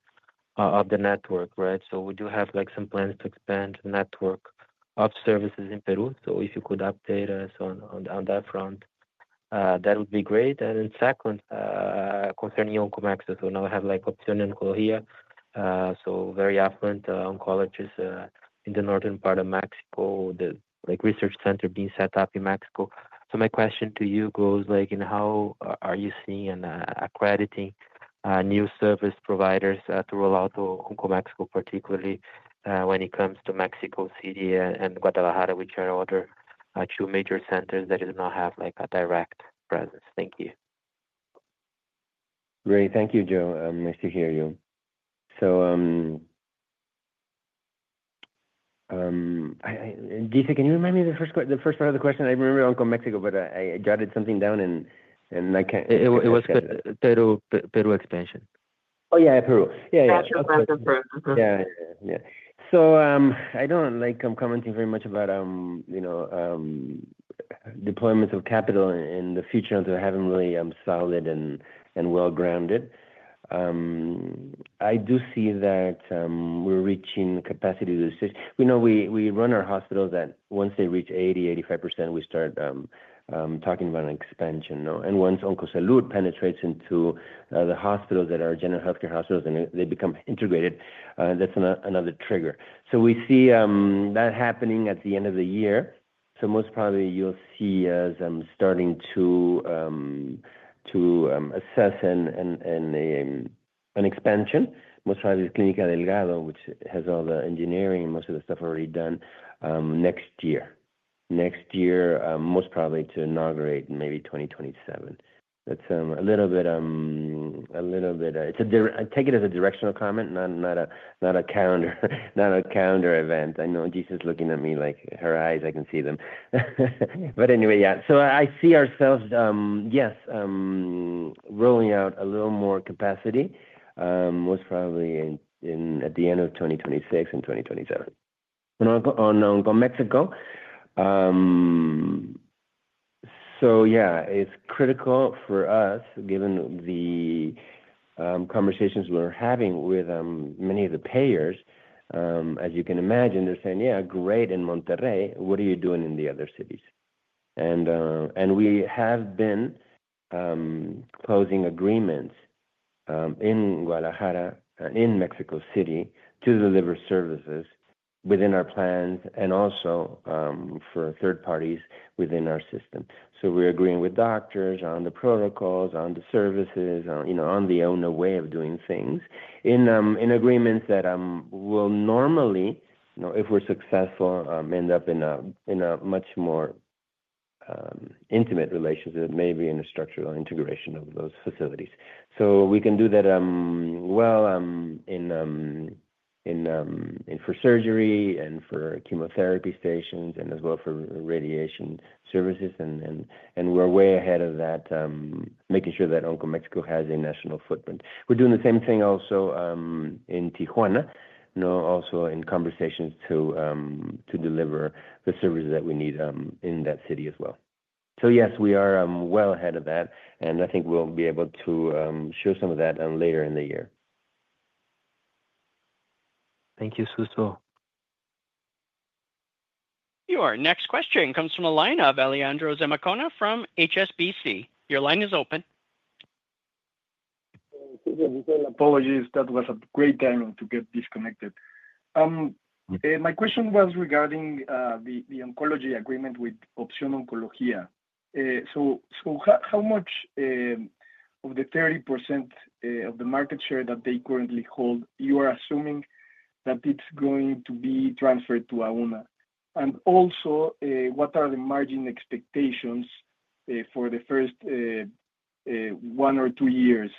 of the network, right? We do have some plans to expand the network of services in Peru. If you could update us on that front, that would be great. Then, concerning OncoMexico, now we have OncoSalud and Colombia, so very affluent oncologists in the northern part of Mexico, the research center being set up in Mexico. My question to you goes, how are you seeing and accrediting new service providers to roll out to OncoMexico, particularly when it comes to Mexico City and Guadalajara, which are other two major centers that do not have a direct presence? Thank you. Great. Thank you, Joe. Nice to hear you. Gisele, can you remind me the first part of the question? I remember OncoMexico, but I jotted something down and I can't remember. It was Peru expansion. Oh, yeah, Peru. Yeah, yeah. Capture plant in Peru. Yeah, yeah, yeah. I don't like commenting very much about deployments of capital in the future, and they haven't really been solid and well-grounded. I do see that we're reaching capacity resistance. We run our hospitals that once they reach 80%-85%, we start talking about an expansion. Once Oncosalud penetrates into the hospitals that are general healthcare hospitals and they become integrated, that's another trigger. We see that happening at the end of the year. Most probably you'll see us starting to assess an expansion, most probably Clinica Delgado, which has all the engineering and most of the stuff already done next year. Next year, most probably to inaugurate in maybe 2027. That's a little bit, a little bit, I take it as a directional comment, not a calendar event. I know Gisele's looking at me like her eyes. I can see them. Anyway, yeah. I see ourselves, yes, rolling out a little more capacity, most probably at the end of 2026 and 2027 on OncoMexico. Yeah, it's critical for us, given the conversations we're having with many of the payers. As you can imagine, they're saying, "Yeah, great in Monterrey. What are you doing in the other cities?" We have been closing agreements in Guadalajara, in Mexico City, to deliver services within our plans and also for third parties within our system. We're agreeing with doctors on the protocols, on the services, on the own way of doing things, in agreements that will normally, if we're successful, end up in a much more intimate relationship, maybe in a structural integration of those facilities. We can do that well for surgery and for chemotherapy stations and as well for radiation services. We are way ahead of that, making sure that OncoMexico has a national footprint. We are doing the same thing also in Tijuana, also in conversations to deliver the services that we need in that city as well. Yes, we are well ahead of that. I think we will be able to show some of that later in the year. Thank you, Suso. Your next question comes from the line of Alejandro Zamacona from HSBC. Your line is open. Suso, Gisele, apologies. That was a great time to get disconnected. My question was regarding the oncology agreement with Opción Oncología. How muc h of the 30% of the market share that they currently hold are you assuming that is going to be transferred to Auna? Also, what are the margin expectations for the first one or two years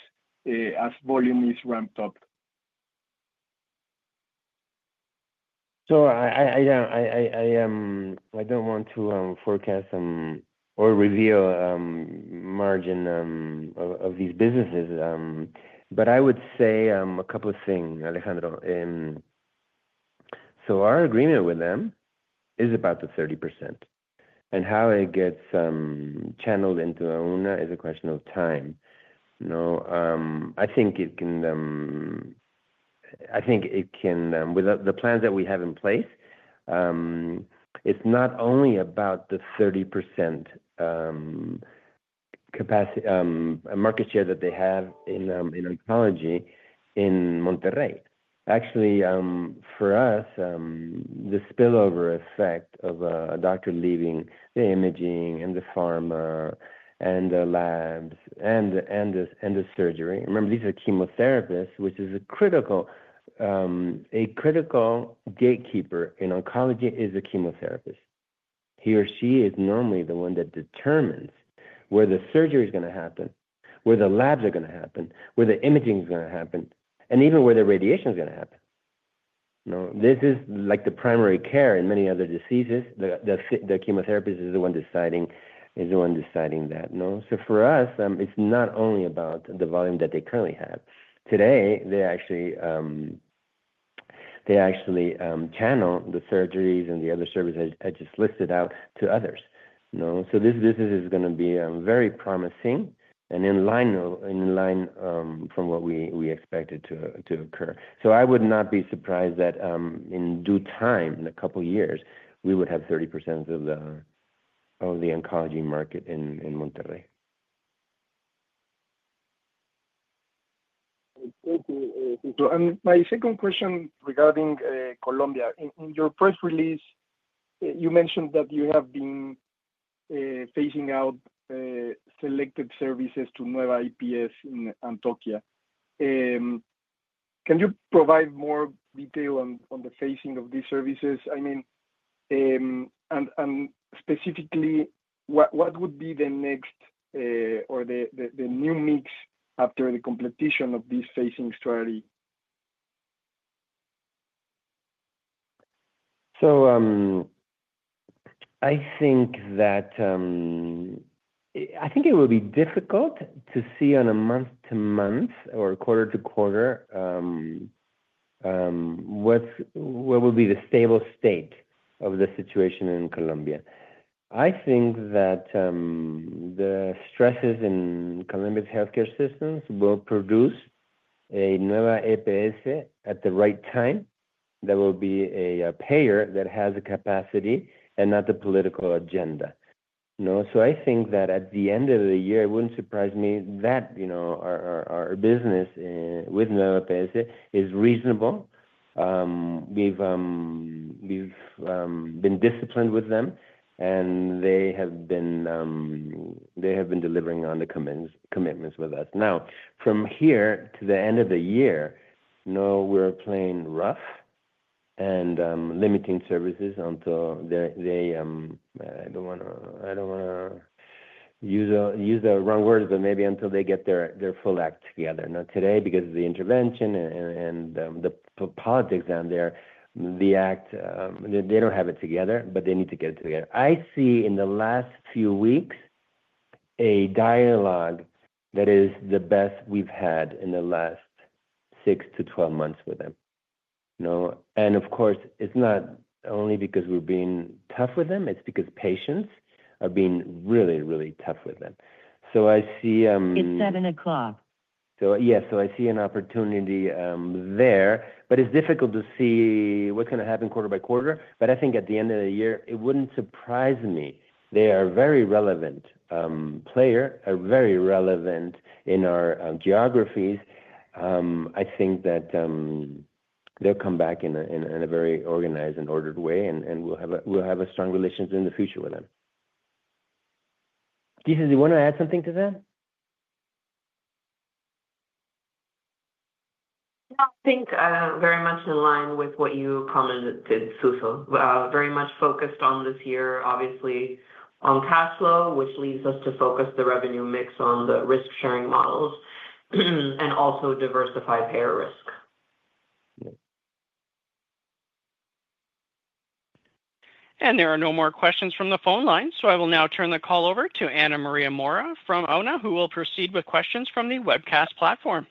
as volume is ramped up? I don't want to forecast or reveal margin of these businesses. I would say a couple of things, Alejandro. Our agreement with them is about the 30%. How it gets channeled into Auna is a question of time. I think it can, I think it can, with the plans that we have in place. It's not only about the 30% market share that they have in oncology in Monterrey. Actually, for us, the spillover effect of a doctor leaving the imaging and the pharma and the labs and the surgery—remember, these are chemotherapists, which is a critical gatekeeper in oncology—is a chemotherapist. He or she is normally the one that determines where the surgery is going to happen, where the labs are going to happen, where the imaging is going to happen, and even where the radiation is going to happen. This is like the primary care in many other diseases. The chemotherapist is the one deciding that. For us, it's not only about the volume that they currently have. Today, they actually channel the surgeries and the other services I just listed out to others. This business is going to be very promising and in line from what we expected to occur. I would not be surprised that in due time, in a couple of years, we would have 30% of the oncology market in Monterrey. Thank you, Suso. My second question regarding Colombia. In your press release, you mentioned that you have been phasing out selected services to Nueva EPS in Antioquia. Can you provide more detail on the phasing of these services? I mean, specifically, what would be the next or the new mix after the completion of this phasing strategy? I think it will be difficult to see on a month-to-month or quarter-to-quarter what will be the stable state of the situation in Colombia. I think that the stresses in Colombia's healthcare systems will produce a Nueva EPS at the right time that will be a payer that has the capacity and not the political agenda. I think that at the end of the year, it wouldn't surprise me that our business with Nueva EPS is reasonable. We've been disciplined with them, and they have been delivering on the commitments with us. Now, from here to the end of the year, we're playing rough and limiting services until they—I don't want to use the wrong words, but maybe until they get their full act together. Now, today, because of the intervention and the politics down there, they do not have it together, but they need to get it together. I see in the last few weeks a dialogue that is the best we have had in the last 6-12 months with them. Of course, it is not only because we are being tough with them. It is because patients are being really, really tough with them. I see it is 7:00. I see an opportunity there. It is difficult to see what is going to happen quarter by quarter. I think at the end of the year, it would not surprise me. They are a very relevant player, very relevant in our geographies. I think that they will come back in a very organized and ordered way, and we will have strong relations in the future with them. Gisele, do you want to add something to that? Yeah, I think very much in line with what you commented, Suso. Very much focused on this year, obviously, on cash flow, which leads us to focus the revenue mix on the risk-sharing models and also diversify payer risk. There are no more questions from the phone line. I will now turn the call over to Ana Maria Mora from Auna, who will proceed with questions from the webcast platform.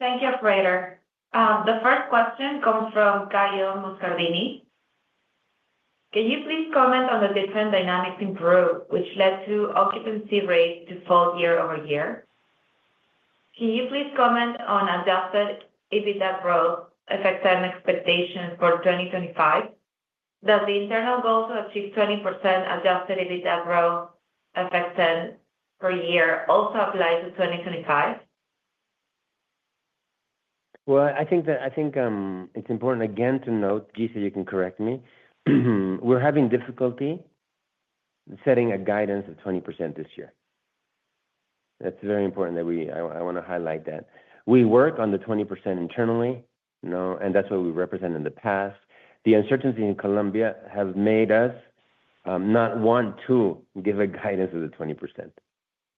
Thank you, Freder. The first question comes from Caio Moscardini. Can you please comment on the different dynamics in Peru, which led to occupancy rates to fall year-over-year? Can you please comment on adjusted EBITDA growth effects and expectations for 2025? Does the internal goal to achieve 20% adjusted EBITDA growth effects per year also apply to 2025? I think it's important again to note, Gisele, you can correct me. We're having difficulty setting a guidance of 20% this year. That's very important that we—I want to highlight that. We work on the 20% internally, and that's what we represented in the past. The uncertainties in Colombia have made us not want to give a guidance of the 20%.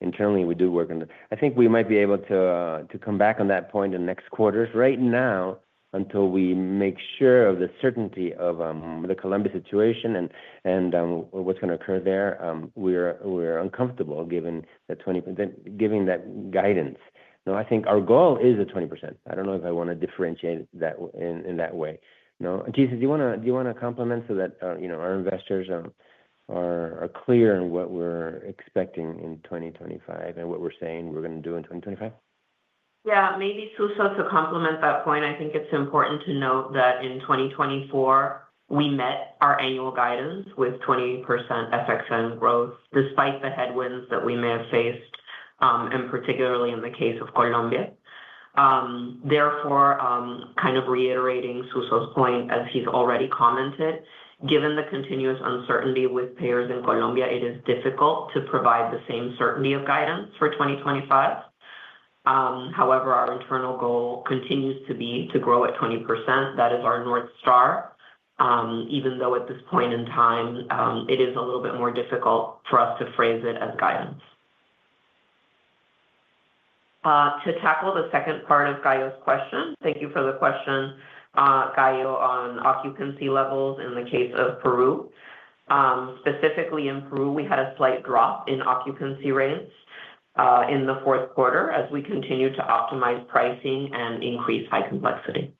Internally, we do work on that. I think we might be able to come back on that point in the next quarters. Right now, until we make sure of the certainty of the Colombia situation and what's going to occur there, we're uncomfortable giving that guidance. I think our goal is the 20%. I don't know if I want to differentiate that in that way. Gisele, do you want to complement so that our investors are clear on what we're expecting in 2025 and what we're saying we're going to do in 2025? Yeah, maybe Suso to complement that point. I think it's important to note that in 2024, we met our annual guidance with 20% FX and growth despite the headwinds that we may have faced, and particularly in the case of Colombia. Therefore, kind of reiterating Suso's point, as he's already commented, given the continuous uncertainty with payers in Colombia, it is difficult to provide the same certainty of guidance for 2025. However, our internal goal continues to be to grow at 20%. That is our North Star, even though at this point in time, it is a little bit more difficult for us to phrase it as guidance. To tackle the second part of Caio's question, thank you for the question, Caio, on occupancy levels in the case of Peru. Specifically in Peru, we had a slight drop in occupancy rates in the fourth quarter as we continued to optimize pricing and increase high complexity.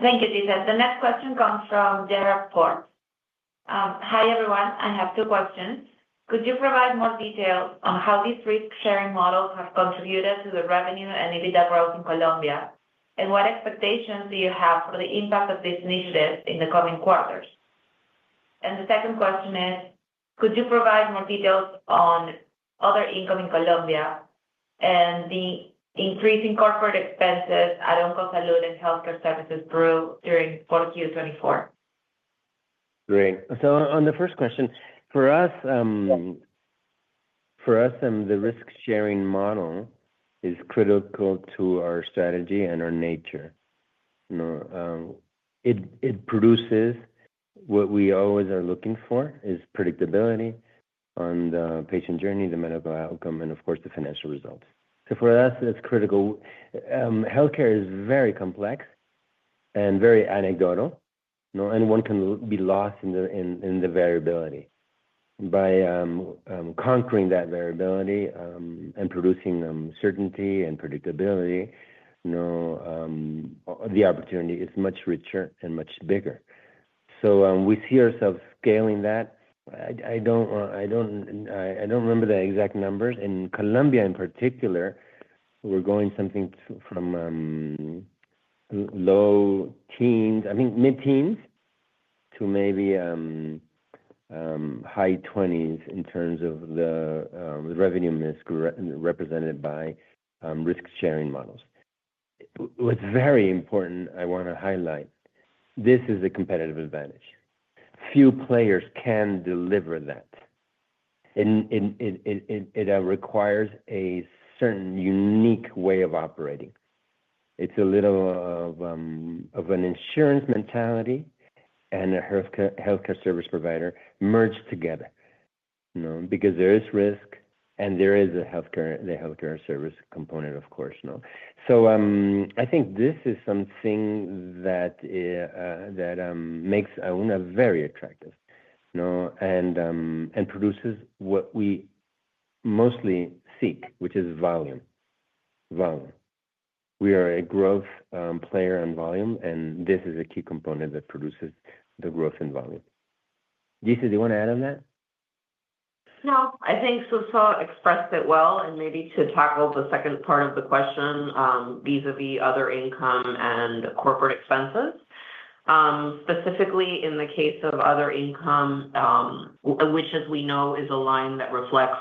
Thank you, Gisele. The next question comes from Gerard Port. Hi everyone. I have two questions. Could you provide more details on how these risk-sharing models have contributed to the revenue and EBITDA growth in Colombia? What expectations do you have for the impact of this initiative in the coming quarters? The second question is, could you provide more details on other income in Colombia and the increasing corporate expenses at OncoSalud and healthcare services Peru during Q24? Great. On the first question, for us, the risk-sharing model is critical to our strategy and our nature. It produces what we always are looking for: predictability on the patient journey, the medical outcome, and of course, the financial results. For us, it's critical. Healthcare is very complex and very anecdotal. One can be lost in the variability. By conquering that variability and producing certainty and predictability, the opportunity is much richer and much bigger. We see ourselves scaling that. I don't remember the exact numbers. In Colombia, in particular, we're going something from mid-teens to maybe high 20s in terms of the revenue risk represented by risk-sharing models. What's very important I want to highlight, this is a competitive advantage. Few players can deliver that. It requires a certain unique way of operating. It's a little of an insurance mentality and a healthcare service provider merged together because there is risk and there is the healthcare service component, of course. I think this is something that makes Auna very attractive and produces what we mostly seek, which is volume. We are a growth player on volume, and this is a key component that produces the growth in volume. Gisele, do you want to add on that? No. I think Suso expressed it well. Maybe to tackle the second part of the question vis-à-vis other income and corporate expenses, specifically in the case of other income, which, as we know, is a line that reflects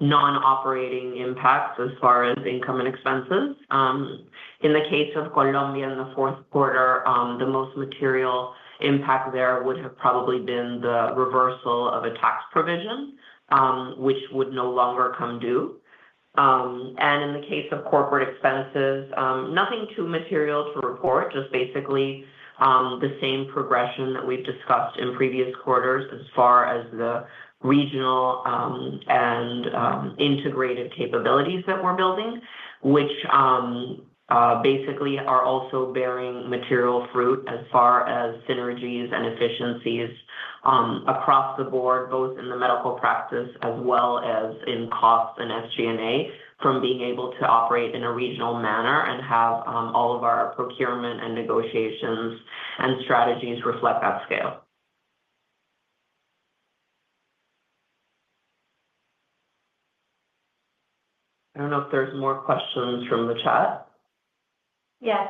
non-operating impacts as far as income and expenses. In the case of Colombia in the fourth quarter, the most material impact there would have probably been the reversal of a tax provision, which would no longer come due. In the case of corporate expenses, nothing too material to report, just basically the same progression that we've discussed in previous quarters as far as the regional and integrated capabilities that we're building, which basically are also bearing material fruit as far as synergies and efficiencies across the board, both in the medical practice as well as in costs and SG&A from being able to operate in a regional manner and have all of our procurement and negotiations and strategies reflect that scale. I don't know if there's more questions from the chat. Yes.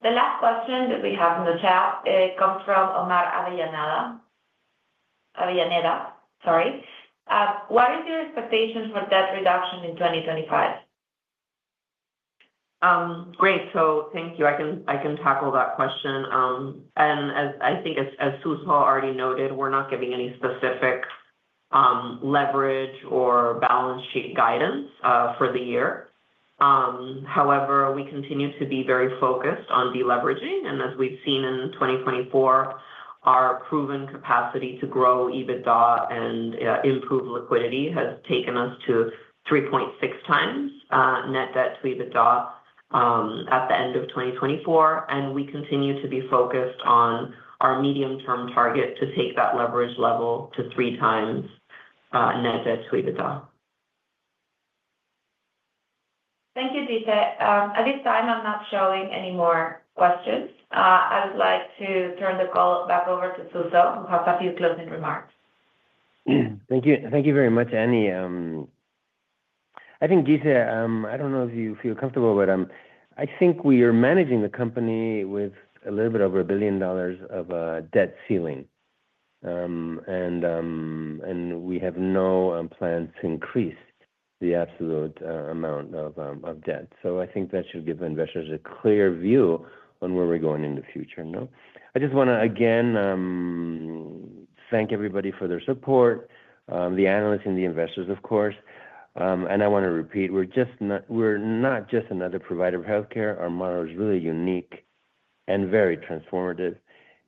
The last question that we have in the chat, it comes from Omar Avellaneda. Sorry. What is your expectation for debt reduction in 2025? Great. Thank you. I can tackle that question. I think, as Suso already noted, we're not giving any specific leverage or balance sheet guidance for the year. However, we continue to be very focused on deleveraging. As we have seen in 2024, our proven capacity to grow EBITDA and improve liquidity has taken us to 3.6x net debt to EBITDA at the end of 2024. We continue to be focused on our medium-term target to take that leverage level to three times net debt to EBITDA. Thank you, Gisele. At this time, I am not showing any more questions. I would like to turn the call back over to Suso, who has a few closing remarks. Thank you very much. I think, Gisele, I do not know if you feel comfortable, but I think we are managing the company with a little bit over $1 billion of debt ceiling. We have no plans to increase the absolute amount of debt. I think that should give investors a clear view on where we're going in the future. I just want to, again, thank everybody for their support, the analysts and the investors, of course. I want to repeat, we're not just another provider of healthcare. Our model is really unique and very transformative.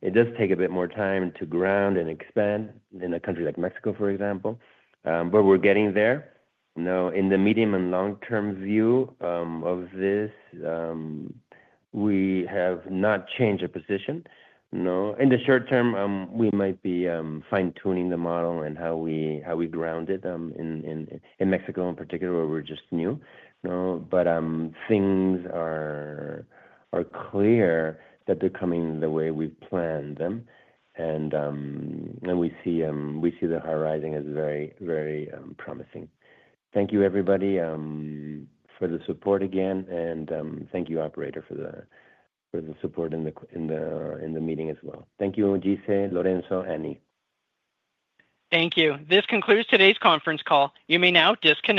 It does take a bit more time to ground and expand in a country like Mexico, for example. We're getting there. In the medium and long-term view of this, we have not changed our position. In the short term, we might be fine-tuning the model and how we ground it in Mexico, in particular, where we're just new. Things are clear that they're coming the way we've planned them. We see the horizon as very, very promising. Thank you, everybody, for the support again. Thank you, operator, for the support in the meeting as well. Thank you, Gisele, Lorenzo, Annie. Thank you. This concludes today's conference call. You may now disconnect.